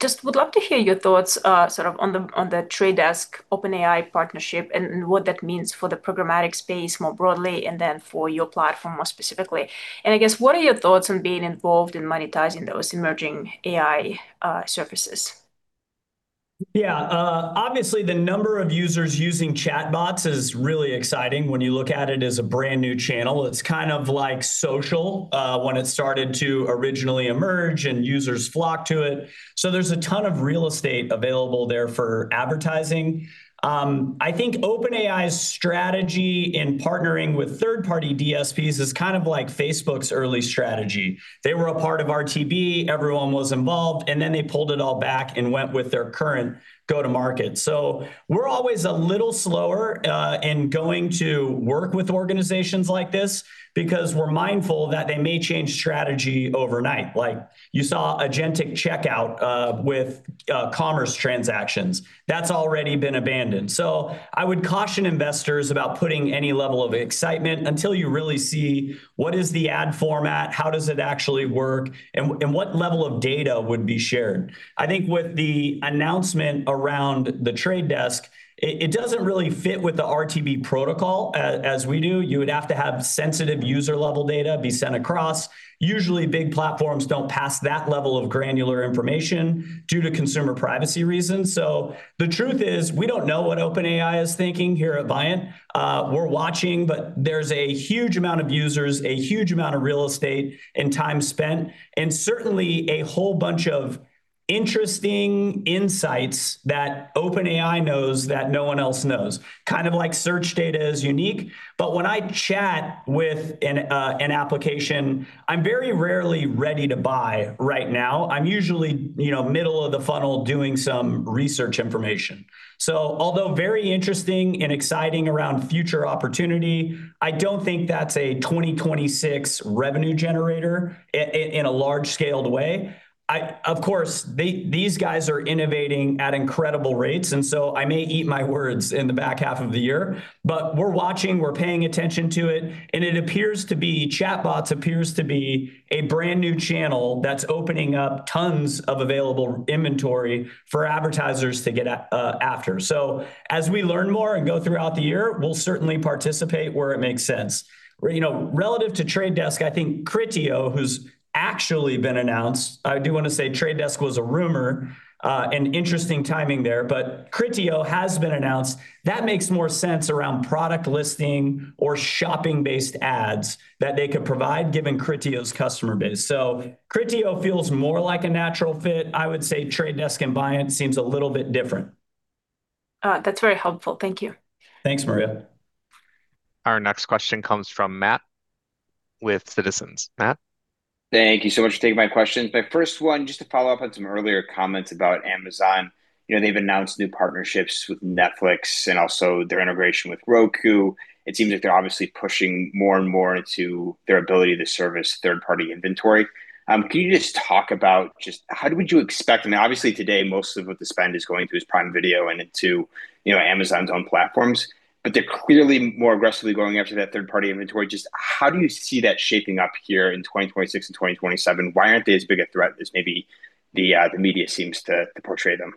Just would love to hear your thoughts, sort of on the The Trade Desk OpenAI partnership and what that means for the programmatic space more broadly, and then for your platform more specifically. I guess, what are your thoughts on being involved in monetizing those emerging AI surfaces? Yeah. Obviously the number of users using chatbots is really exciting when you look at it as a brand-new channel. It's kind of like social, when it started to originally emerge and users flocked to it. There's a ton of real estate available there for advertising. I think OpenAI's strategy in partnering with third-party DSPs is kind of like Facebook's early strategy. They were a part of RTB, everyone was involved, and then they pulled it all back and went with their current go-to-market. We're always a little slower in going to work with organizations like this because we're mindful that they may change strategy overnight. Like, you saw agentic checkout with commerce transactions. That's already been abandoned. I would caution investors about putting any level of excitement until you really see what is the ad format, how does it actually work, and what level of data would be shared. I think with the announcement around The Trade Desk, it doesn't really fit with the RTB protocol as we do. You would have to have sensitive user-level data be sent across. Usually, big platforms don't pass that level of granular information due to consumer privacy reasons. The truth is, we don't know what OpenAI is thinking here at Viant. We're watching, but there's a huge amount of users, a huge amount of real estate and time spent, and certainly a whole bunch of interesting insights that OpenAI knows that no one else knows, kind of like search data is unique. When I chat with an application, I'm very rarely ready to buy right now. I'm usually, you know, middle of the funnel doing some research information. Although very interesting and exciting around future opportunity, I don't think that's a 2026 revenue generator in a large-scaled way. Of course, these guys are innovating at incredible rates, and so I may eat my words in the back half of the year. We're watching, we're paying attention to it, and it appears to be chatbots, a brand-new channel that's opening up tons of available inventory for advertisers to go after. As we learn more and go throughout the year, we'll certainly participate where it makes sense. You know, relative to The Trade Desk, I think Criteo, who's actually been announced, I do wanna say The Trade Desk was a rumor, and interesting timing there, but Criteo has been announced. That makes more sense around product listing or shopping-based ads that they could provide given Criteo's customer base. Criteo feels more like a natural fit. I would say The Trade Desk and Viant seems a little bit different. That's very helpful. Thank you. Thanks, Maria. Our next question comes from Matt with Citizens. Matt? Thank you so much for taking my questions. My first one, just to follow up on some earlier comments about Amazon. You know, they've announced new partnerships with Netflix and also their integration with Roku. It seems like they're obviously pushing more and more into their ability to service third-party inventory. Can you just talk about. Now, obviously today, most of what the spend is going through is Prime Video and into, you know, Amazon's own platforms, but they're clearly more aggressively going after that third-party inventory. Just how do you see that shaping up here in 2026 and 2027? Why aren't they as big a threat as maybe the media seems to portray them?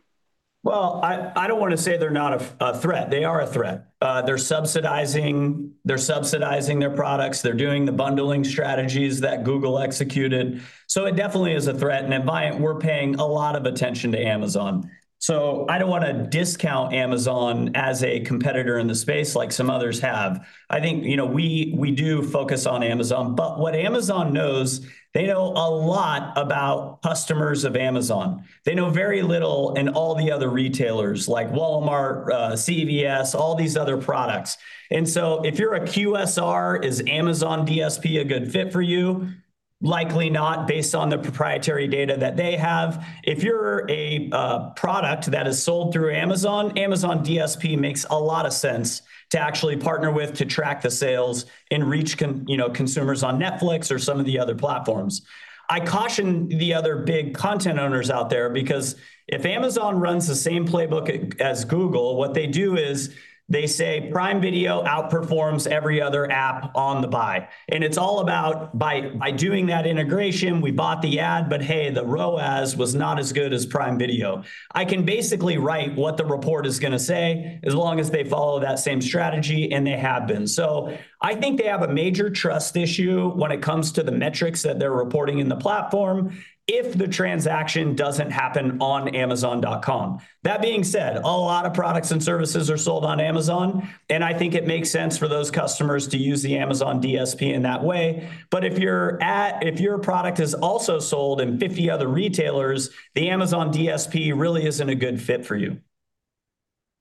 Well, I don't wanna say they're not a threat. They are a threat. They're subsidizing their products. They're doing the bundling strategies that Google executed. It definitely is a threat. At Viant, we're paying a lot of attention to Amazon. I don't wanna discount Amazon as a competitor in the space like some others have. I think, you know, we do focus on Amazon. But what Amazon knows, they know a lot about customers of Amazon. They know very little in all the other retailers like Walmart, CVS, all these other products. If you're a QSR, is Amazon DSP a good fit for you? Likely not, based on the proprietary data that they have. If you're a product that is sold through Amazon DSP makes a lot of sense to actually partner with to track the sales and reach you know, consumers on Netflix or some of the other platforms. I caution the other big content owners out there because if Amazon runs the same playbook as Google, what they do is they say, "Prime Video outperforms every other app on the buy." It's all about the buy, by doing that integration, we bought the ad, but hey, the ROAS was not as good as Prime Video. I can basically write what the report is gonna say, as long as they follow that same strategy, and they have been. I think they have a major trust issue when it comes to the metrics that they're reporting in the platform if the transaction doesn't happen on amazon.com. That being said, a lot of products and services are sold on Amazon, and I think it makes sense for those customers to use the Amazon DSP in that way. If your product is also sold in 50 other retailers, the Amazon DSP really isn't a good fit for you.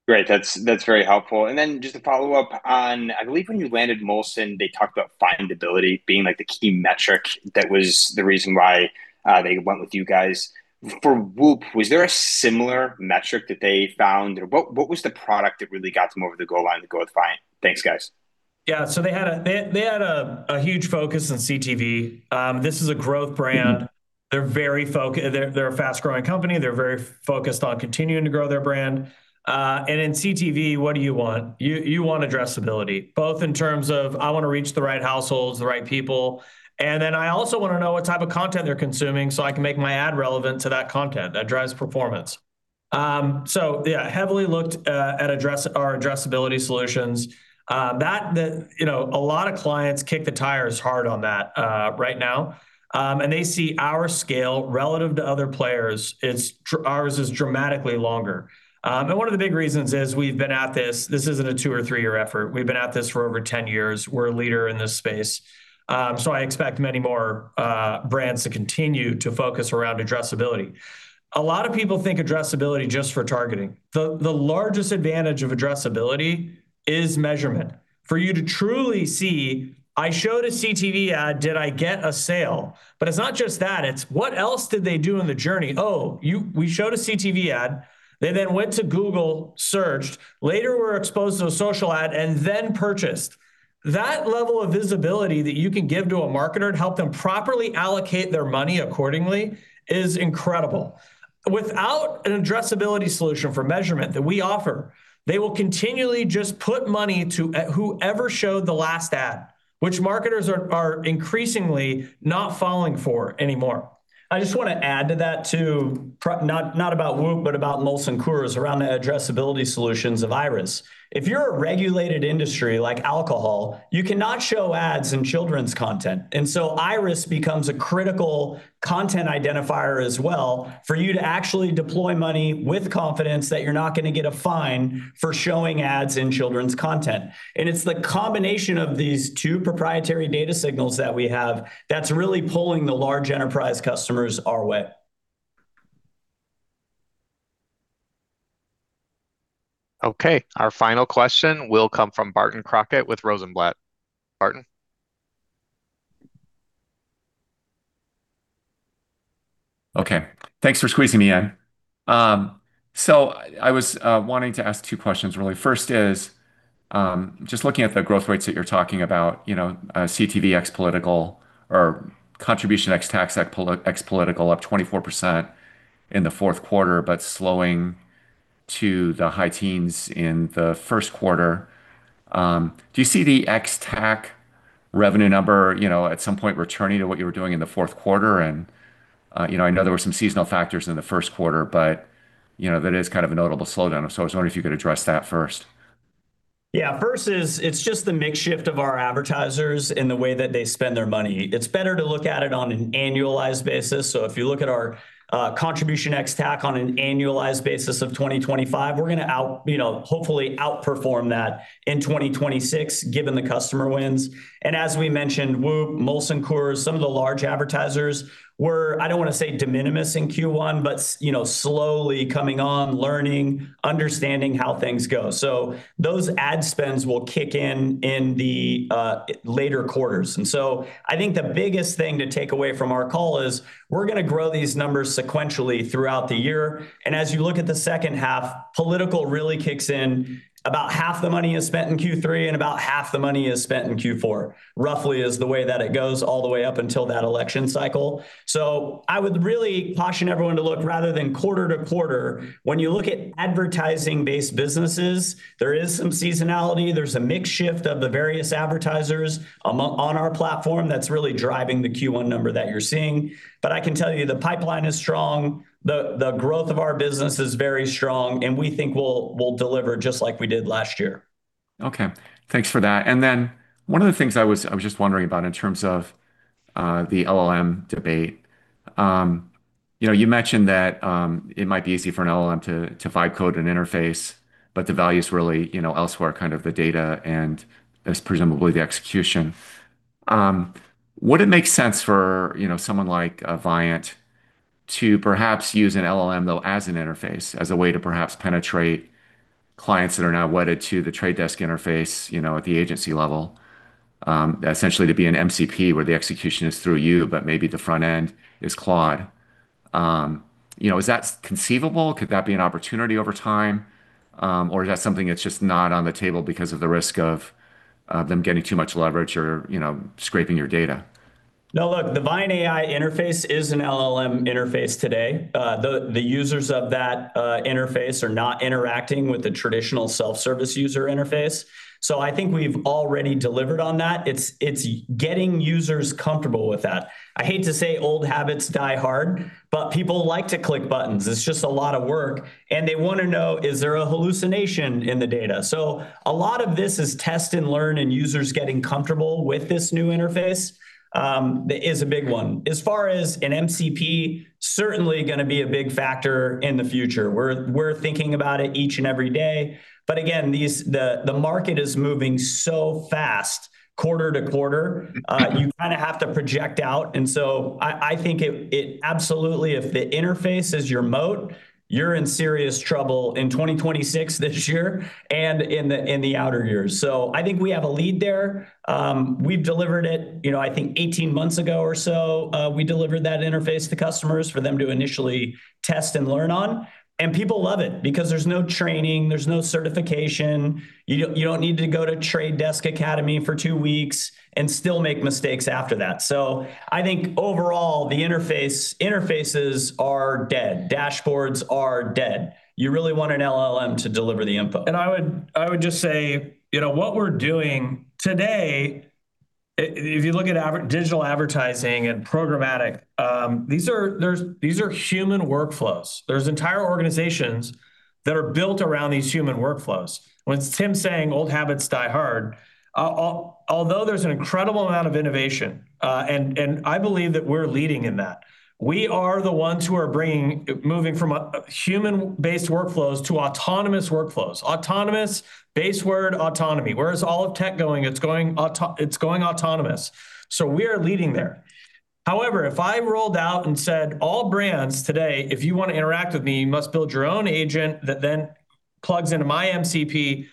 Great. That's very helpful. Just to follow up on, I believe when you landed Molson, they talked about findability being, like, the key metric that was the reason why they went with you guys. For WHOOP, was there a similar metric that they found? Or what was the product that really got them over the goal line to go with Viant? Thanks, guys. Yeah. They had a huge focus on CTV. This is a growth brand. They're a fast-growing company. They're very focused on continuing to grow their brand. In CTV, what do you want? You want addressability, both in terms of I wanna reach the right households, the right people, and then I also wanna know what type of content they're consuming so I can make my ad relevant to that content. That drives performance. So yeah, they heavily looked at our addressability solutions. You know, a lot of clients kick the tires hard on that right now, and they see our scale relative to other players. Ours is dramatically longer. One of the big reasons is we've been at this. This isn't a two or three-year effort. We've been at this for over 10 years. We're a leader in this space. I expect many more brands to continue to focus around addressability. A lot of people think addressability just for targeting. The largest advantage of addressability is measurement. For you to truly see, I showed a CTV ad, did I get a sale? But it's not just that, it's what else did they do in the journey? We showed a CTV ad, they then went to Google, searched, later were exposed to a social ad, and then purchased. That level of visibility that you can give to a marketer and help them properly allocate their money accordingly is incredible. Without an addressability solution for measurement that we offer, they will continually just put money to whoever showed the last ad, which marketers are increasingly not falling for anymore. I just wanna add to that too, not about WHOOP, but about Molson Coors around the addressability solutions of IRIS. If you're a regulated industry like alcohol, you cannot show ads in children's content. IRIS becomes a critical content identifier as well for you to actually deploy money with confidence that you're not gonna get a fine for showing ads in children's content. It's the combination of these two proprietary data signals that we have that's really pulling the large enterprise customers our way. Okay. Our final question will come from Barton Crockett with Rosenblatt Securities. Barton? Okay. Thanks for squeezing me in. I was wanting to ask two questions really. First is, just looking at the growth rates that you're talking about, you know, CTV ex-political or contribution ex-TAC ex-political up 24% in the fourth quarter, but slowing to the high teens in the first quarter. Do you see the ex-TAC revenue number, you know, at some point returning to what you were doing in the fourth quarter? You know, I know there were some seasonal factors in the first quarter, but, you know, that is kind of a notable slowdown. I was wondering if you could address that first. Yeah. First, it's just the mix shift of our advertisers in the way that they spend their money. It's better to look at it on an annualized basis. If you look at our contribution ex-TAC on an annualized basis of 2025, we're gonna outperform that in 2026 given the customer wins. As we mentioned, WHOOP, Molson Coors, some of the large advertisers were, I don't wanna say de minimis in Q1, but you know, slowly coming on, learning, understanding how things go. Those ad spends will kick in in the later quarters. I think the biggest thing to take away from our call is we're gonna grow these numbers sequentially throughout the year. As you look at the second half, political really kicks in. About half the money is spent in Q3 and about half the money is spent in Q4, roughly is the way that it goes all the way up until that election cycle. I would really caution everyone to look rather than quarter-to-quarter. When you look at advertising-based businesses, there is some seasonality, there's a mix shift of the various advertisers on our platform that's really driving the Q1 number that you're seeing. I can tell you the pipeline is strong, the growth of our business is very strong, and we think we'll deliver just like we did last year. Okay. Thanks for that. Then one of the things I was just wondering about in terms of the LLM debate, you know, you mentioned that it might be easy for an LLM to write code an interface, but the value is really, you know, elsewhere, kind of the data and, presumably, the execution. Would it make sense for, you know, someone like Viant to perhaps use an LLM though as an interface, as a way to perhaps penetrate clients that are now wedded to The Trade Desk interface, you know, at the agency level, essentially to be an MCP where the execution is through you, but maybe the front end is Claude? You know, is that conceivable? Could that be an opportunity over time, or is that something that's just not on the table because of the risk of them getting too much leverage or, you know, scraping your data? No, look, the Viant AI interface is an LLM interface today. The users of that interface are not interacting with the traditional self-service user interface. I think we've already delivered on that. It's getting users comfortable with that. I hate to say old habits die hard, but people like to click buttons. It's just a lot of work, and they wanna know, is there a hallucination in the data? A lot of this is test and learn and users getting comfortable with this new interface is a big one. As far as an MCP, certainly gonna be a big factor in the future. We're thinking about it each and every day. Again, the market is moving so fast quarter-to-quarter, you kinda have to project out. I think it absolutely, if the interface is your moat, you're in serious trouble in 2026, this year, and in the outer years. I think we have a lead there. We've delivered it, you know, I think 18 months ago or so, we delivered that interface to customers for them to initially test and learn on. People love it because there's no training, there's no certification. You don't need to go to The Trade Desk Edge Academy for two weeks and still make mistakes after that. I think overall, interfaces are dead. Dashboards are dead. You really want an LLM to deliver the info. I would just say, you know, what we're doing today, if you look at digital advertising and programmatic, these are human workflows. There's entire organizations that are built around these human workflows. When Tim's saying old habits die hard, although there's an incredible amount of innovation, and I believe that we're leading in that, we are the ones who are moving from a human-based workflows to autonomous workflows. Autonomous, base word autonomy. Where is all of tech going? It's going autonomous. We are leading there. However, if I rolled out and said, "All brands today, if you wanna interact with me, you must build your own agent," that then- Plugs into my MCP.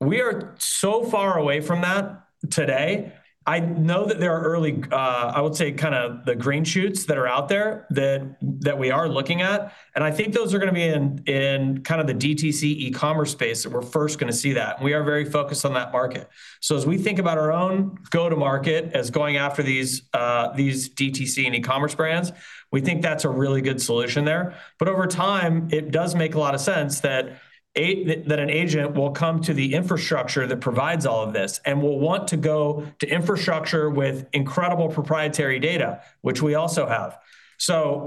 We are so far away from that today. I know that there are early, I would say, kinda the green shoots that are out there that we are looking at, and I think those are gonna be in kind of the DTC e-commerce space that we're first gonna see that, and we are very focused on that market. As we think about our own go-to-market as going after these DTC and e-commerce brands, we think that's a really good solution there. Over time, it does make a lot of sense that that an agent will come to the infrastructure that provides all of this and will want to go to infrastructure with incredible proprietary data, which we also have.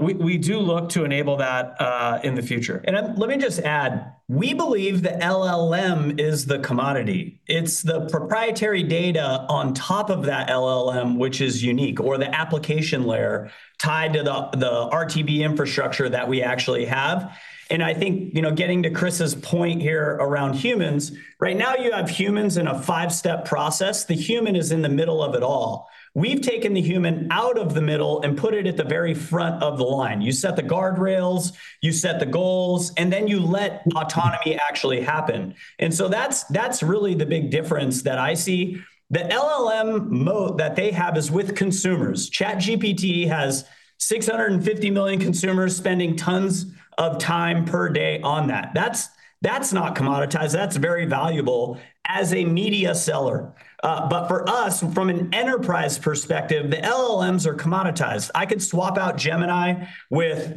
We do look to enable that in the future. Then let me just add, we believe the LLM is the commodity. It's the proprietary data on top of that LLM which is unique or the application layer tied to the RTB infrastructure that we actually have. I think, you know, getting to Chris's point here around humans, right now you have humans in a five-step process. The human is in the middle of it all. We've taken the human out of the middle and put it at the very front of the line. You set the guardrails, you set the goals, and then you let autonomy actually happen. That's, that's really the big difference that I see. The LLM moat that they have is with consumers. ChatGPT has 650 million consumers spending tons of time per day on that. That's, that's not commoditized, that's very valuable as a media seller. For us, from an enterprise perspective, the LLMs are commoditized. I could swap out Gemini with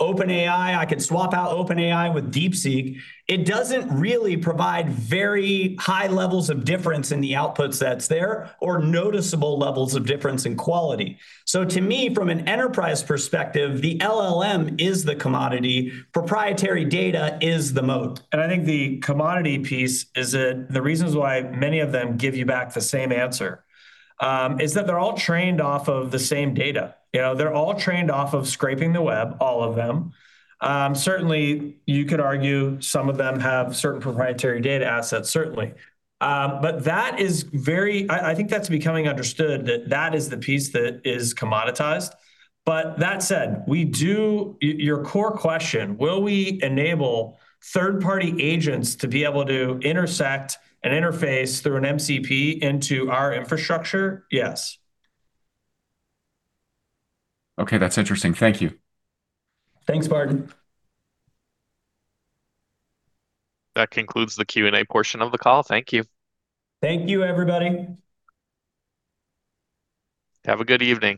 OpenAI. I could swap out OpenAI with DeepSeek. It doesn't really provide very high levels of difference in the outputs that's there or noticeable levels of difference in quality. To me, from an enterprise perspective, the LLM is the commodity. Proprietary data is the moat. I think the commodity piece is that the reasons why many of them give you back the same answer is that they're all trained off of the same data. You know, they're all trained off of scraping the web, all of them. Certainly you could argue some of them have certain proprietary data assets, certainly. I think that's becoming understood that that is the piece that is commoditized. But that said, your core question, will we enable third-party agents to be able to intersect and interface through an MCP into our infrastructure? Yes. Okay, that's interesting. Thank you. Thanks, Barton. That concludes the Q&A portion of the call. Thank you. Thank you, everybody. Have a good evening.